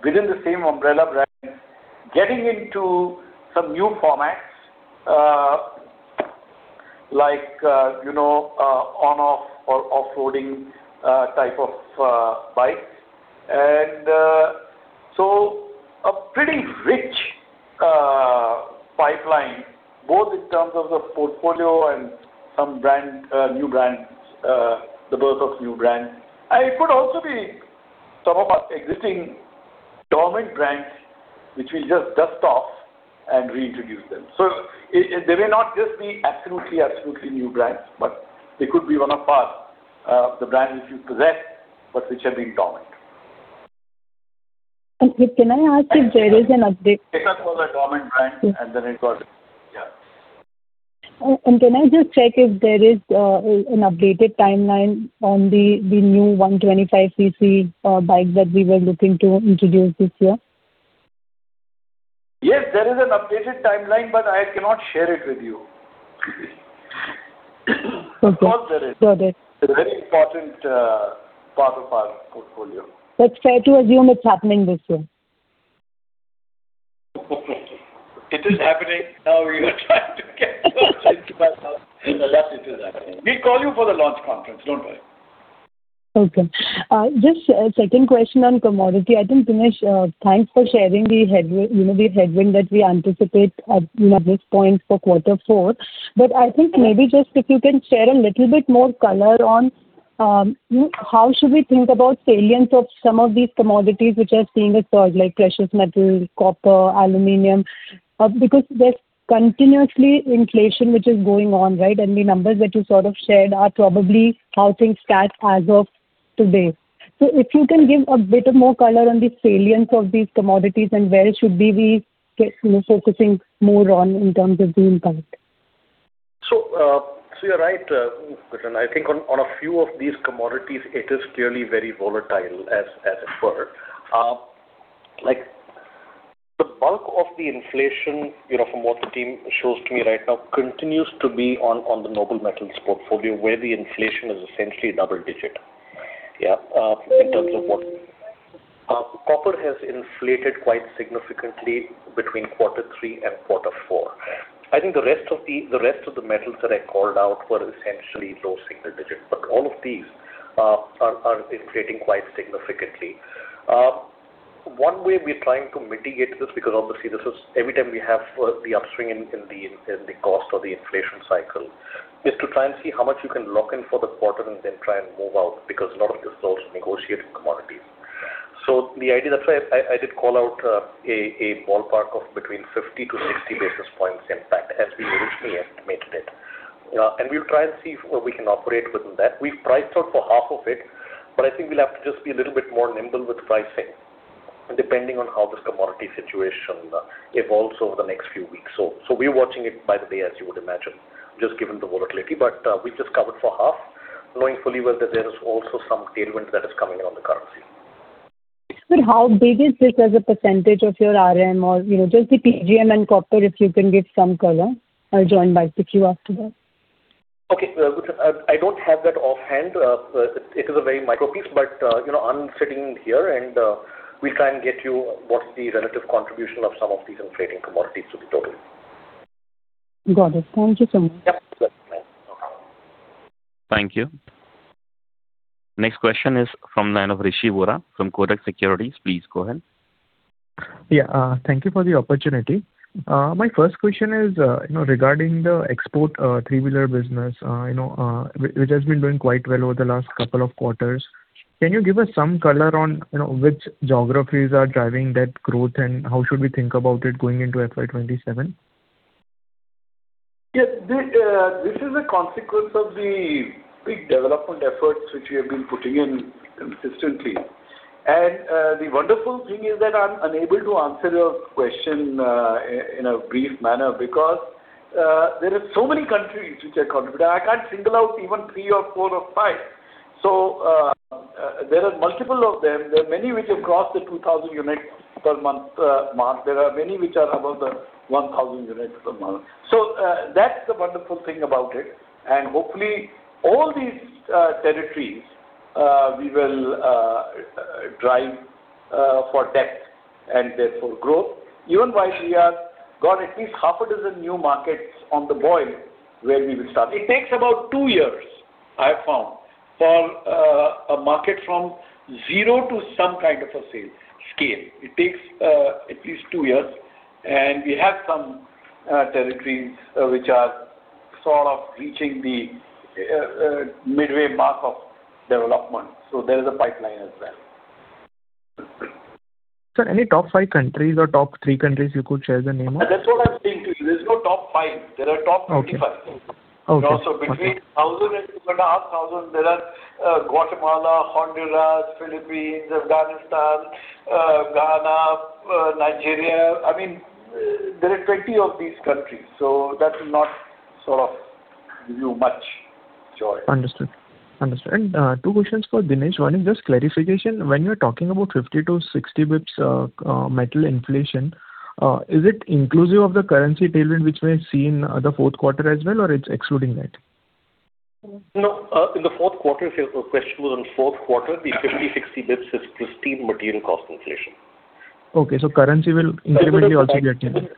within the same umbrella brand, getting into some new formats, like, you know, on/off or off-loading type of bikes. So a pretty rich pipeline, both in terms of the portfolio and some brand new brands, the birth of new brands. It could also be some of our existing dormant brands, which we'll just dust off and reintroduce them. So they may not just be absolutely, absolutely new brands, but they could be one of our, the brands which we possess, but which have been dormant. Can I ask if there is an update?... for the dormant brand, and then it got, yeah. Can I just check if there is an updated timeline on the new 125 cc bike that we were looking to introduce this year? Yes, there is an updated timeline, but I cannot share it with you. Okay. Of course, there is. Got it. It's a very important part of our portfolio. That's fair to assume it's happening this year. It is happening. Now, we are trying to get... But yes, it is happening. We'll call you for the launch conference. Don't worry. Okay. Just a second question on commodity. I think, Dinesh, thanks for sharing the headwind, you know, the headwind that we anticipate at, you know, this point for quarter four. But I think maybe just if you can share a little bit more color on how should we think about salience of some of these commodities which are seeing a surge, like precious metals, copper, aluminum. Because there's continuous inflation, which is going on, right? And the numbers that you sort of shared are probably how things stand as of today. So if you can give a bit more color on the salience of these commodities, and where should we, you know, focusing more on in terms of the impact. So, so you're right, Gunjan. I think on a few of these commodities, it is clearly very volatile, as it were. Like, the bulk of the inflation, you know, from what the team shows to me right now, continues to be on the noble metals portfolio, where the inflation is essentially double digit. Yeah, copper has inflated quite significantly between quarter three and quarter four. I think the rest of the metals that I called out were essentially low single digits, but all of these are inflating quite significantly. One way we're trying to mitigate this, because obviously this is every time we have the upswing in the cost of the inflation cycle, is to try and see how much you can lock in for the quarter and then try and move out, because a lot of these those negotiating commodities. So the idea, that's why I did call out a ballpark of between 50-60 basis points impact as we originally estimated it. And we'll try and see if we can operate within that. We've priced out for half of it, but I think we'll have to just be a little bit more nimble with pricing, depending on how this commodity situation evolves over the next few weeks. So we're watching it by the day, as you would imagine, just given the volatility. But, we've just covered for half, knowing fully well that there is also some tailwind that is coming in on the currency. But how big is this as a percentage of your RM or, you know, just the PGM and copper, if you can give some color, I'll join by the queue after that? Okay, which I don't have that offhand. It is a very micro piece, but you know, I'm sitting here and we'll try and get you what's the relative contribution of some of these inflating commodities to the total. Got it. Thank you so much. Yeah. Thank you. Next question is from line of Rishi Vora from Kotak Securities. Please go ahead. Yeah, thank you for the opportunity. My first question is, you know, regarding the export, three-wheeler business, you know, which has been doing quite well over the last couple of quarters. Can you give us some color on, you know, which geographies are driving that growth, and how should we think about it going into FY 2027? Yeah, this is a consequence of the big development efforts which we have been putting in consistently. And the wonderful thing is that I'm unable to answer your question in a brief manner because there are so many countries which are contributing. I can't single out even three or four or five. So there are multiple of them. There are many which have crossed the 2,000 units per month mark. There are many which are above the 1,000 units per month. So that's the wonderful thing about it, and hopefully, all these territories we will drive for depth and therefore growth, even while we have got at least half a dozen new markets on the boil where we will start. It takes about two years, I found, for a market from zero to some kind of a sale scale. It takes at least two years, and we have some territories which are sort of reaching the midway mark of development. So there is a pipeline as well. Sir, any top 5 countries or top 3 countries you could share the name of? That's what I'm saying to you. There's no top 5. There are top 25. Okay. So between 1,000 and 2,500, there are Guatemala, Honduras, Philippines, Afghanistan, Ghana, Nigeria. I mean, there are 20 of these countries, so that will not sort of give you much joy. Understood. Understood. Two questions for Dinesh. One is just clarification. When you're talking about 50-60 bps metal inflation, is it inclusive of the currency tailwind which we have seen the fourth quarter as well, or it's excluding that? No, in the fourth quarter, if your question was on fourth quarter, the 50-60 basis points is pristine material cost inflation. Okay, so currency will incrementally also get here.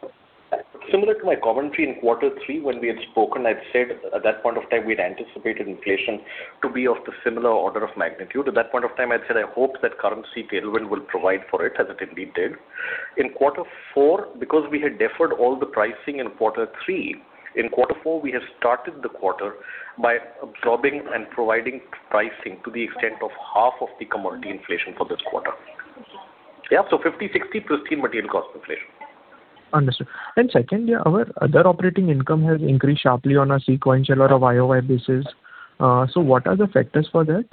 Similar to my commentary in quarter three, when we had spoken, I'd said at that point of time, we'd anticipated inflation to be of the similar order of magnitude. At that point of time, I'd said I hope that currency tailwind will provide for it, as it indeed did. In quarter four, because we had deferred all the pricing in quarter three, in quarter four, we have started the quarter by absorbing and providing pricing to the extent of half of the commodity inflation for this quarter. Yeah, so 50-60% material cost inflation. Understood. And second, yeah, our other operating income has increased sharply on a sequential or a YOY basis. So what are the factors for that?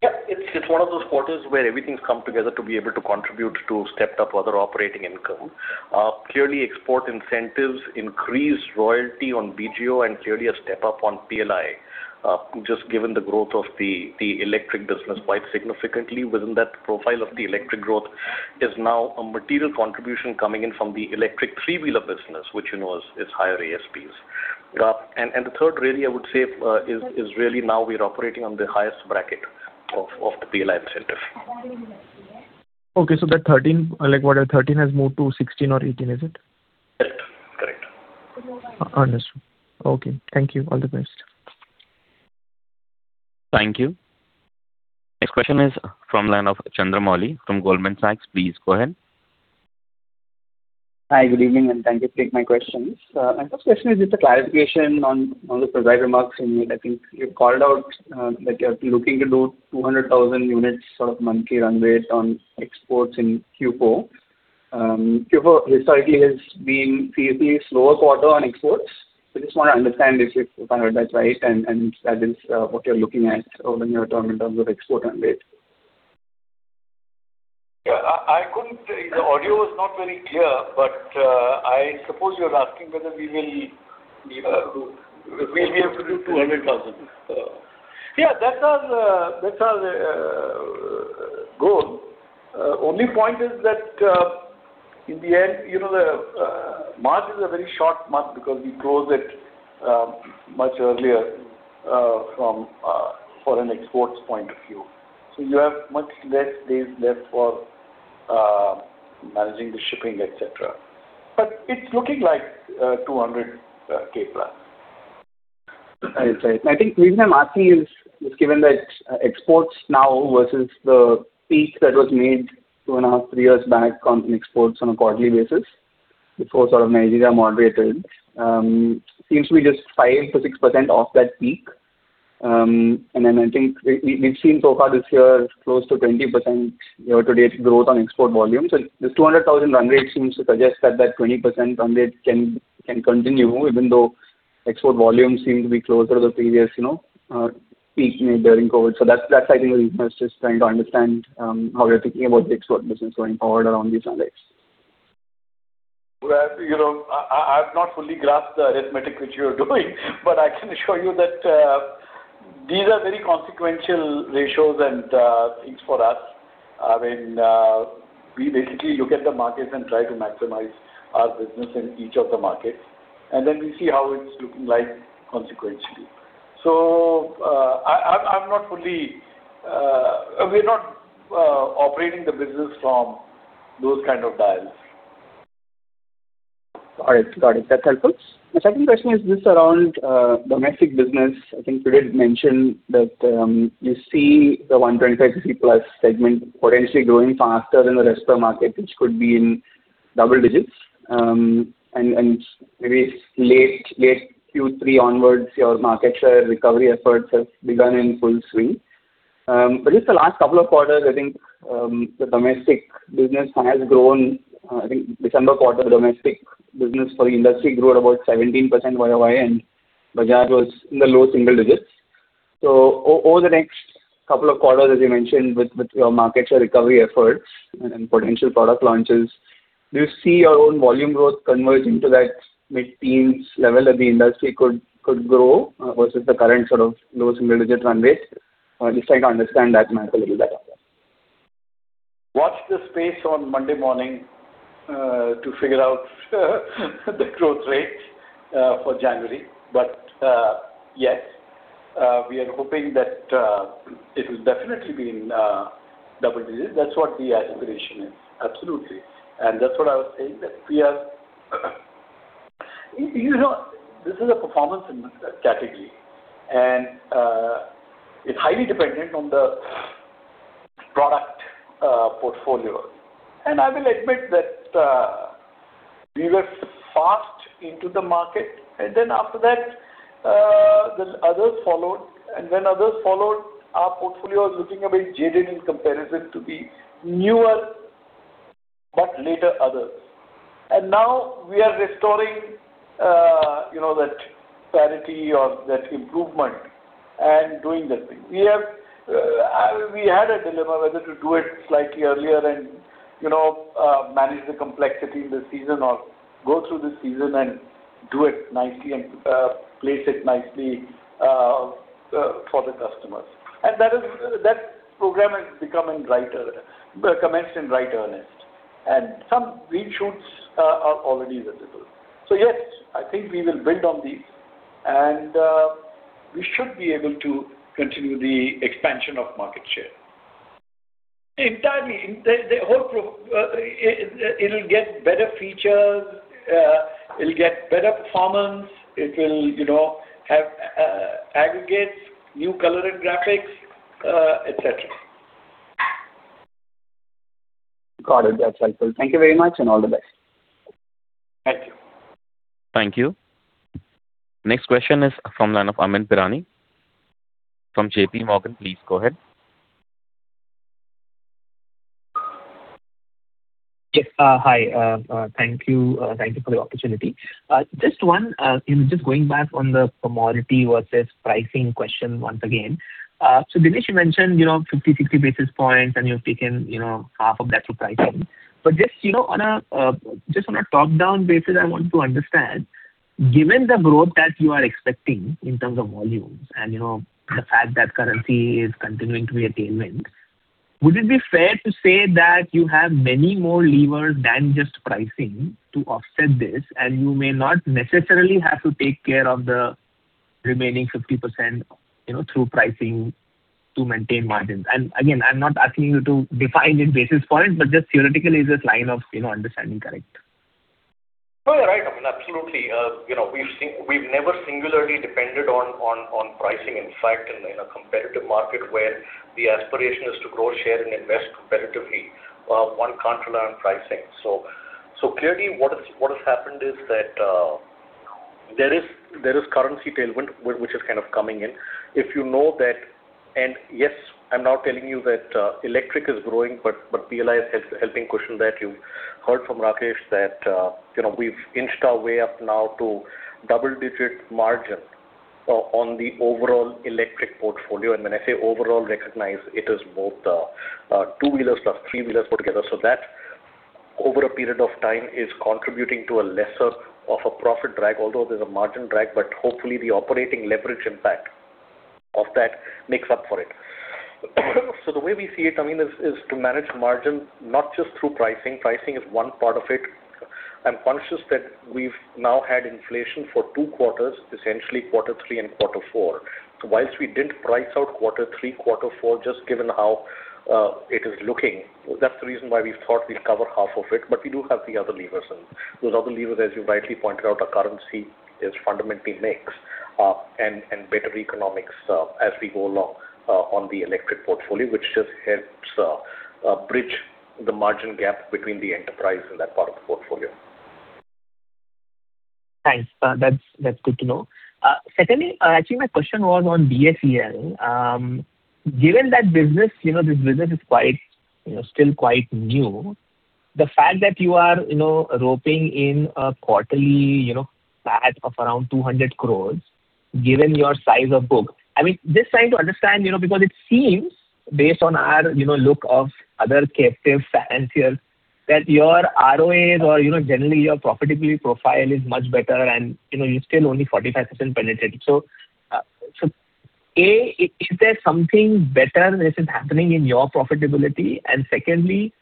Yeah, it's one of those quarters where everything's come together to be able to contribute to stepped up other operating income. Clearly, export incentives, increased royalty on BGO and clearly a step up on PLI, just given the growth of the electric business quite significantly within that profile of the electric growth, is now a material contribution coming in from the electric three-wheeler business, which, you know, is higher ASPs. And the third really, I would say, is really now we're operating on the highest bracket of the PLI incentive. Okay, so that 13, like what 13 has moved to 16 or 18, is it? Correct. Correct. Understood. Okay, thank you. All the best. Thank you. Next question is from the line of Chandramouli from Goldman Sachs. Please go ahead. Hi, good evening, and thank you for taking my questions. My first question is just a clarification on the forward remarks you made. I think you called out that you're looking to do 200,000 units of monthly run rates on exports in Q4. Q4 historically has been typically a slower quarter on exports. So I just want to understand if I heard that right, and that is what you're looking at over your term in terms of export run rate. Yeah, I couldn't. The audio was not very clear, but I suppose you're asking whether we will be able to do 200,000. Yeah, that's our goal. Only point is that, ...In the end, you know, the March is a very short month because we close it much earlier from for an exports point of view. So you have much less days left for managing the shipping, et cetera. But it's looking like 200,000+. I think reason I'm asking is, given that exports now versus the peak that was made 2.5, three years back on exports on a quarterly basis, before sort of Nigeria moderated, seems to be just 5%-6% off that peak. And then I think we, we've seen so far this year, close to 20% year-to-date growth on export volume. So this 200,000 run rate seems to suggest that that 20% run rate can continue, even though export volumes seem to be closer to the previous, you know, peak made during COVID. So that's, I think we're just trying to understand how you're thinking about the export business going forward around these run rates. Well, you know, I've not fully grasped the arithmetic which you're doing, but I can assure you that, these are very consequential ratios and, things for us. I mean, we basically look at the markets and try to maximize our business in each of the markets, and then we see how it's looking like, consequentially. So, I'm not fully... We're not operating the business from those kind of dials. Got it. Got it. That's helpful. The second question is just around domestic business. I think you did mention that you see the 125 cc plus segment potentially growing faster than the rest of market, which could be in double digits. And maybe late Q3 onwards, your market share recovery efforts have begun in full swing. But just the last couple of quarters, I think the domestic business has grown. I think December quarter, domestic business for the industry grew at about 17% YOY, and Bajaj was in the low single digits. Over the next couple of quarters, as you mentioned, with your market share recovery efforts and potential product launches, do you see your own volume growth converging to that mid-teens level that the industry could grow versus the current sort of low single-digit run rates? Just trying to understand that math a little better. Watch this space on Monday morning to figure out the growth rate for January. But yes, we are hoping that it will definitely be in double digits. That's what the aspiration is. Absolutely. And that's what I was saying, that we are... You know, this is a performance in category, and it's highly dependent on the product portfolio. And I will admit that we were fast into the market, and then after that, then others followed. And when others followed, our portfolio was looking a bit jaded in comparison to the newer, but later others. And now we are restoring, you know, that parity or that improvement and doing that thing. We have, we had a dilemma whether to do it slightly earlier and, you know, manage the complexity in the season, or go through the season and do it nicely and place it nicely for the customers. That program is becoming riper, commenced in right earnest, and some green shoots are already visible. So, yes, I think we will build on these, and we should be able to continue the expansion of market share. The entire, the whole pro—it, it'll get better features, it'll get better performance, it will, you know, have aggregates, new color and graphics, et cetera. Got it. That's helpful. Thank you very much, and all the best. Thank you. Thank you. Next question is from the line of Amyn Pirani, from J.P. Morgan. Please go ahead. Yes, hi. Thank you for the opportunity. Just one, just going back on the commodity versus pricing question once again. So Dinesh, you mentioned, you know, 50, 60 basis points, and you've taken, you know, half of that to pricing. But just, you know, on a, just on a top-down basis, I want to understand, given the growth that you are expecting in terms of volumes and, you know, the fact that currency is continuing to be a tailwind, would it be fair to say that you have many more levers than just pricing to offset this, and you may not necessarily have to take care of the remaining 50%, you know, through pricing to maintain margins? And again, I'm not asking you to define in basis points, but just theoretically, is this line of, you know, understanding correct? No, you're right. I mean, absolutely. You know, we've never singularly depended on pricing. In fact, in a competitive market where the aspiration is to grow, share, and invest competitively, one can't rely on pricing. So clearly, what has happened is that there is currency tailwind, which is kind of coming in. If you know that, and yes, I'm now telling you that electric is growing, but realize the question that you heard from Rakesh, that you know, we've inched our way up now to double-digit margin on the overall electric portfolio. And when I say overall, recognize it is both two-wheelers plus three-wheelers put together. So that, over a period of time, is contributing to less of a profit drag, although there's a margin drag, but hopefully the operating leverage impact- ... of that makes up for it. So the way we see it, I mean, is to manage margin, not just through pricing. Pricing is one part of it. I'm conscious that we've now had inflation for two quarters, essentially quarter three and quarter four. So while we didn't price out quarter three, quarter four, just given how it is looking, that's the reason why we thought we'd cover half of it, but we do have the other levers. And those other levers, as you rightly pointed out, our currency is fundamentally mixed, and better economics as we go along on the electric portfolio, which just helps bridge the margin gap between the enterprise and that part of the portfolio. Thanks. That's, that's good to know. Secondly, actually, my question was on BACL. Given that business, you know, this business is quite, you know, still quite new, the fact that you are, you know, roping in a quarterly, you know, batch of around 200 crore, given your size of book. I mean, just trying to understand, you know, because it seems based on our, you know, look of other captive financiers, that your ROAs or, you know, generally, your profitability profile is much better and, you know, you're still only 45% penetrated. So, A, is there something better which is happening in your profitability? And secondly,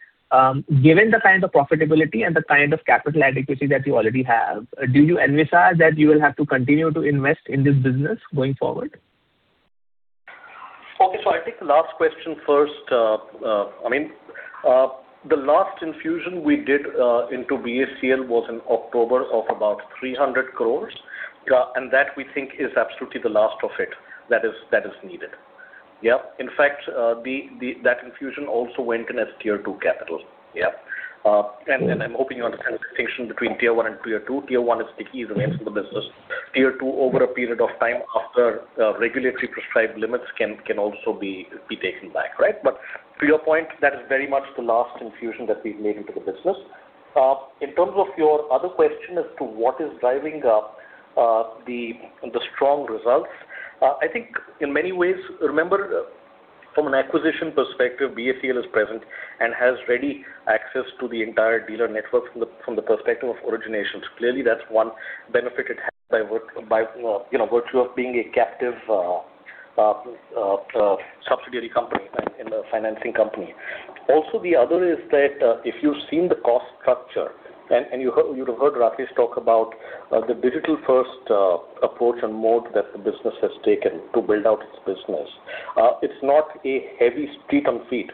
given the kind of profitability and the kind of capital adequacy that you already have, do you envisage that you will have to continue to invest in this business going forward? Okay. So I'll take the last question first. I mean, the last infusion we did into BACL was in October of about 300 crore, and that we think is absolutely the last of it. That is needed. In fact, that infusion also went in as Tier II capital. And I'm hoping you understand the distinction between Tier I and Tier II. Tier I is the key arrangements of the business. Tier II, over a period of time after regulatory prescribed limits, can also be taken back, right? But to your point, that is very much the last infusion that we've made into the business. In terms of your other question as to what is driving up the strong results, I think in many ways, remember, from an acquisition perspective, BACL is present and has ready access to the entire dealer network from the perspective of origination. So clearly, that's one benefit it has by, you know, virtue of being a captive subsidiary company in the financing company. Also, the other is that, if you've seen the cost structure, and you heard, you'd have heard Rakesh talk about the digital-first approach and mode that the business has taken to build out its business. It's not a heavy feet on street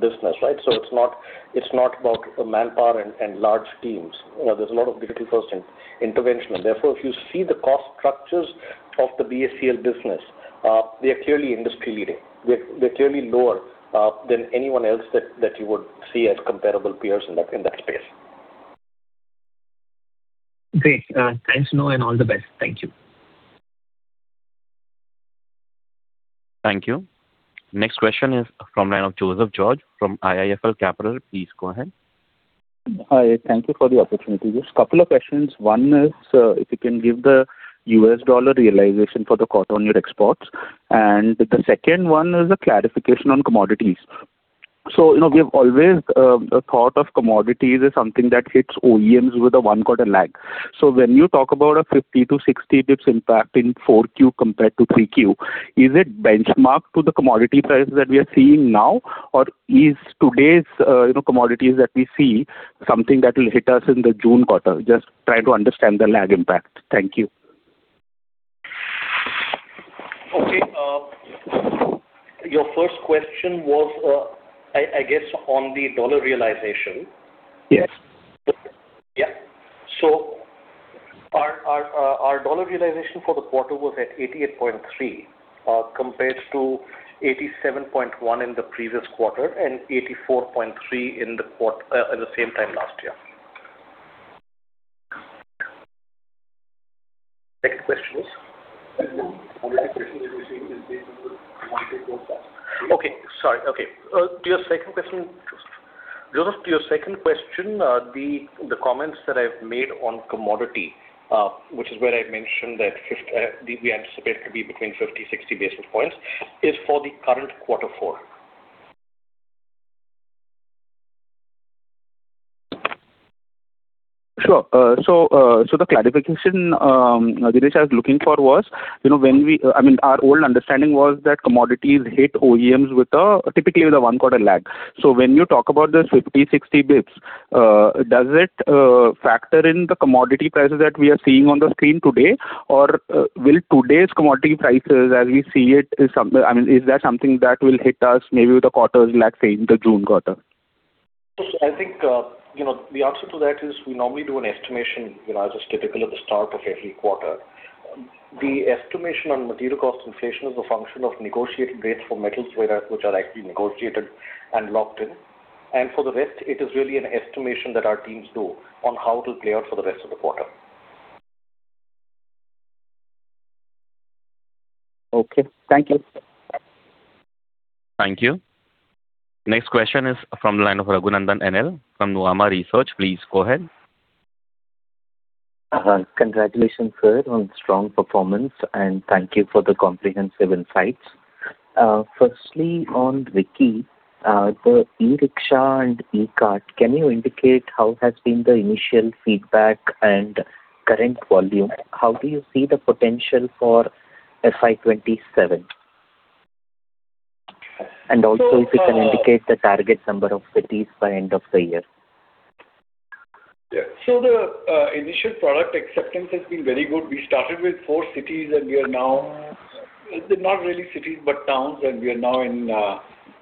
business, right? So it's not about manpower and large teams. You know, there's a lot of digital-first intervention. Therefore, if you see the cost structures of the BACL business, they are clearly industry-leading. They're clearly lower than anyone else that you would see as comparable peers in that space. Great. Thanks, Noah, and all the best. Thank you. Thank you. Next question is from line of Joseph George from IIFL Capital. Please go ahead. Hi, thank you for the opportunity. Just couple of questions. One is, if you can give the U.S. dollar realization for the cotton yarn exports. And the second one is a clarification on commodities. So, you know, we have always thought of commodities as something that hits OEMs with a one-quarter lag. So when you talk about a 50-60 bps impact in 4Q compared to 3Q, is it benchmarked to the commodity prices that we are seeing now, or is today's, you know, commodities that we see, something that will hit us in the June quarter? Just trying to understand the lag impact. Thank you. Okay, your first question was, I guess, on the dollar realization. Yes. Yeah. So our dollar realization for the quarter was at $88.3, compared to $87.1 in the previous quarter and $84.3 in the quarter at the same time last year. Second question is? The second question is the same as the one before. Okay. Sorry. Okay. To your second question, Joseph, the comments that I've made on commodity, which is where I mentioned that we anticipate to be between 50-60 basis points, is for the current quarter four. Sure. So, so the clarification, Dinesh, I was looking for was, you know, when we... I mean, our old understanding was that commodities hit OEMs with a typically with a one-quarter lag. So when you talk about this 50, 60 basis points, does it factor in the commodity prices that we are seeing on the screen today? Or, will today's commodity prices, as we see it, is that something that will hit us maybe with a quarter's lag, say, in the June quarter? So I think, you know, the answer to that is we normally do an estimation, you know, as is typical at the start of every quarter. The estimation on material cost inflation is a function of negotiating rates for metals, whereas which are actually negotiated and locked in. And for the rest, it is really an estimation that our teams do on how it will play out for the rest of the quarter. Okay. Thank you. Thank you. Next question is from the line of Raghunandhan N.L. from Nomura Research. Please go ahead. Congratulations, sir, on strong performance, and thank you for the comprehensive insights.... Firstly, on Riki, the e-rickshaw and e-cart, can you indicate how has been the initial feedback and current volume? How do you see the potential for FY 2027? And also, if you can indicate the target number of cities by end of the year. Yeah. So the initial product acceptance has been very good. We started with 4 cities, and we are now, not really cities, but towns, and we are now in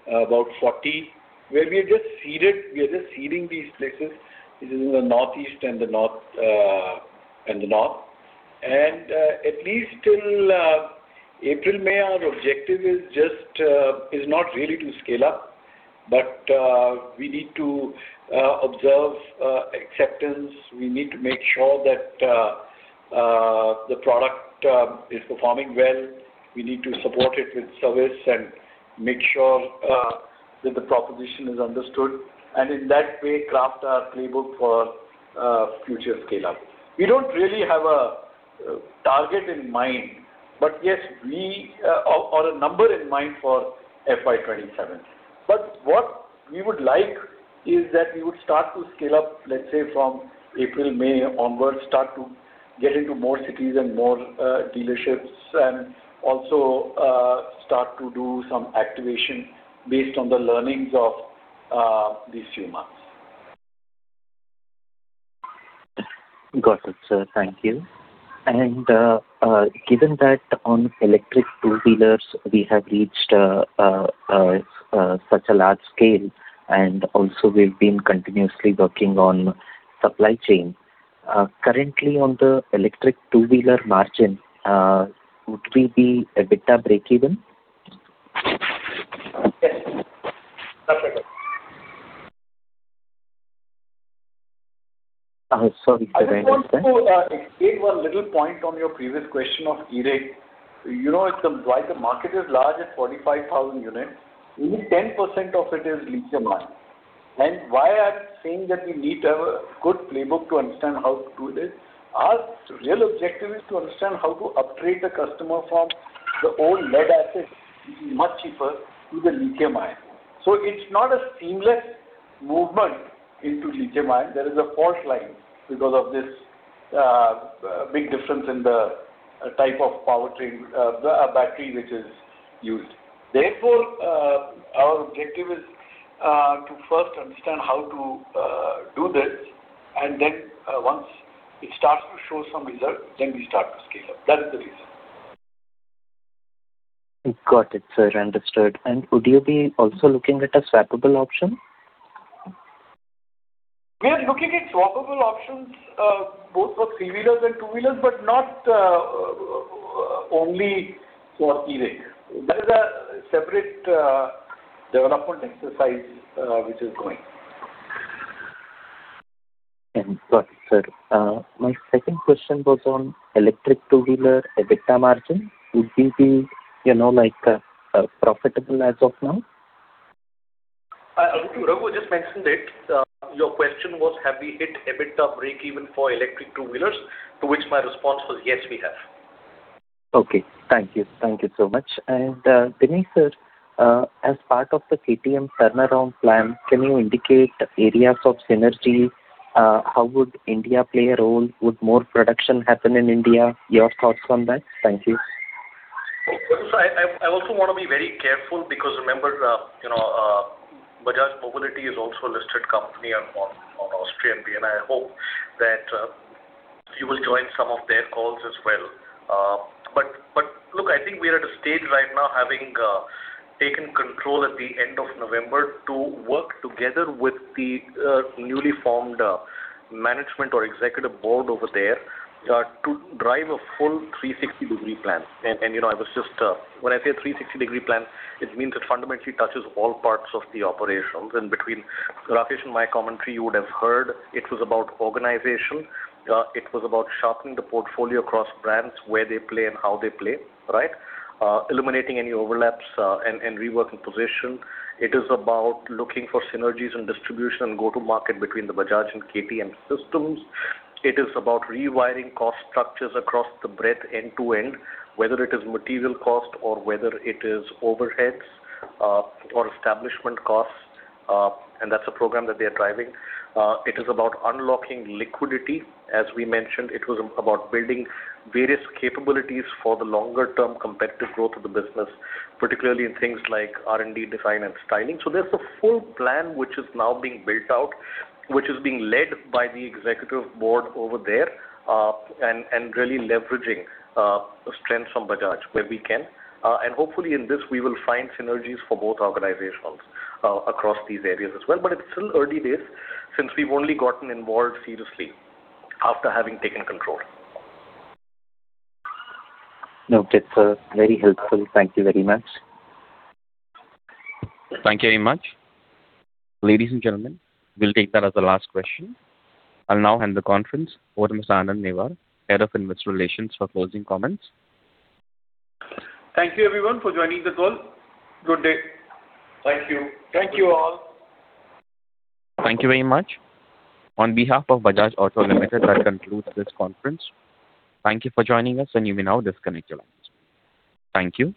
about 40, where we are just seeded. We are just seeding these places. This is in the Northeast and the North, and the North. And at least till April, May, our objective is just not really to scale up, but we need to observe acceptance. We need to make sure that the product is performing well. We need to support it with service and make sure that the proposition is understood, and in that way, craft our playbook for future scale up. We don't really have a target in mind, but yes, we or a number in mind for FY 27. But what we would like is that we would start to scale up, let's say, from April, May onwards, start to get into more cities and more dealerships, and also start to do some activation based on the learnings of these few months. Got it, sir. Thank you. And, given that on electric two-wheelers, we have reached such a large scale, and also we've been continuously working on supply chain. Currently, on the electric two-wheeler margin, would we be EBITDA breakeven? Yes. Perfect. Sorry to interrupt, sir. I just want to explain one little point on your previous question of e-rick. You know, it's while the market is large at 45,000 units, only 10% of it is lithium ion. And why I'm saying that we need to have a good playbook to understand how to do this, our real objective is to understand how to upgrade the customer from the old lead acid, which is much cheaper, to the lithium ion. So it's not a seamless movement into lithium ion. There is a fault line because of this big difference in the type of powertrain, the battery, which is used. Therefore, our objective is to first understand how to do this, and then, once it starts to show some results, then we start to scale up. That is the reason. Got it, sir. Understood. Would you be also looking at a swappable option? We are looking at swappable options, both for three-wheelers and two-wheelers, but not only for e-rick. That is a separate development exercise, which is going. Got it, sir. My second question was on electric two-wheeler EBITDA margin. Would we be, you know, like, profitable as of now? Rahul, I just mentioned it. Your question was, have we hit EBITDA breakeven for electric two-wheelers? To which my response was, yes, we have. Okay. Thank you. Thank you so much. Dinesh, sir, as part of the KTM turnaround plan, can you indicate areas of synergy? How would India play a role? Would more production happen in India? Your thoughts on that. Thank you. So I also want to be very careful because remember, you know, Bajaj Mobility is also a listed company on Austrian Börse, and I hope that you will join some of their calls as well. But look, I think we are at a stage right now, having taken control at the end of November, to work together with the newly formed management or executive board over there, to drive a full 360-degree plan. And you know, I was just... When I say 360-degree plan, it means it fundamentally touches all parts of the operations. And between Rakesh and my commentary, you would have heard, it was about organization, it was about sharpening the portfolio across brands, where they play and how they play, right? Eliminating any overlaps, and reworking position. It is about looking for synergies and distribution and go-to-market between the Bajaj and KTM systems. It is about rewiring cost structures across the breadth, end to end, whether it is material cost or whether it is overheads, or establishment costs, and that's a program that they are driving. It is about unlocking liquidity. As we mentioned, it was about building various capabilities for the longer-term competitive growth of the business, particularly in things like R&D, design, and styling. So there's a full plan which is now being built out, which is being led by the executive board over there, and really leveraging strength from Bajaj, where we can. And hopefully, in this, we will find synergies for both organizations, across these areas as well. But it's still early days, since we've only gotten involved seriously after having taken control. Noted, sir. Very helpful. Thank you very much. Thank you very much. Ladies and gentlemen, we'll take that as the last question. I'll now hand the conference over to Mr. Anand Newar, Head of Investor Relations, for closing comments. Thank you, everyone, for joining the call. Good day. Thank you. Thank you, all. Thank you very much. On behalf of Bajaj Auto Limited, that concludes this conference. Thank you for joining us, and you may now disconnect your lines. Thank you.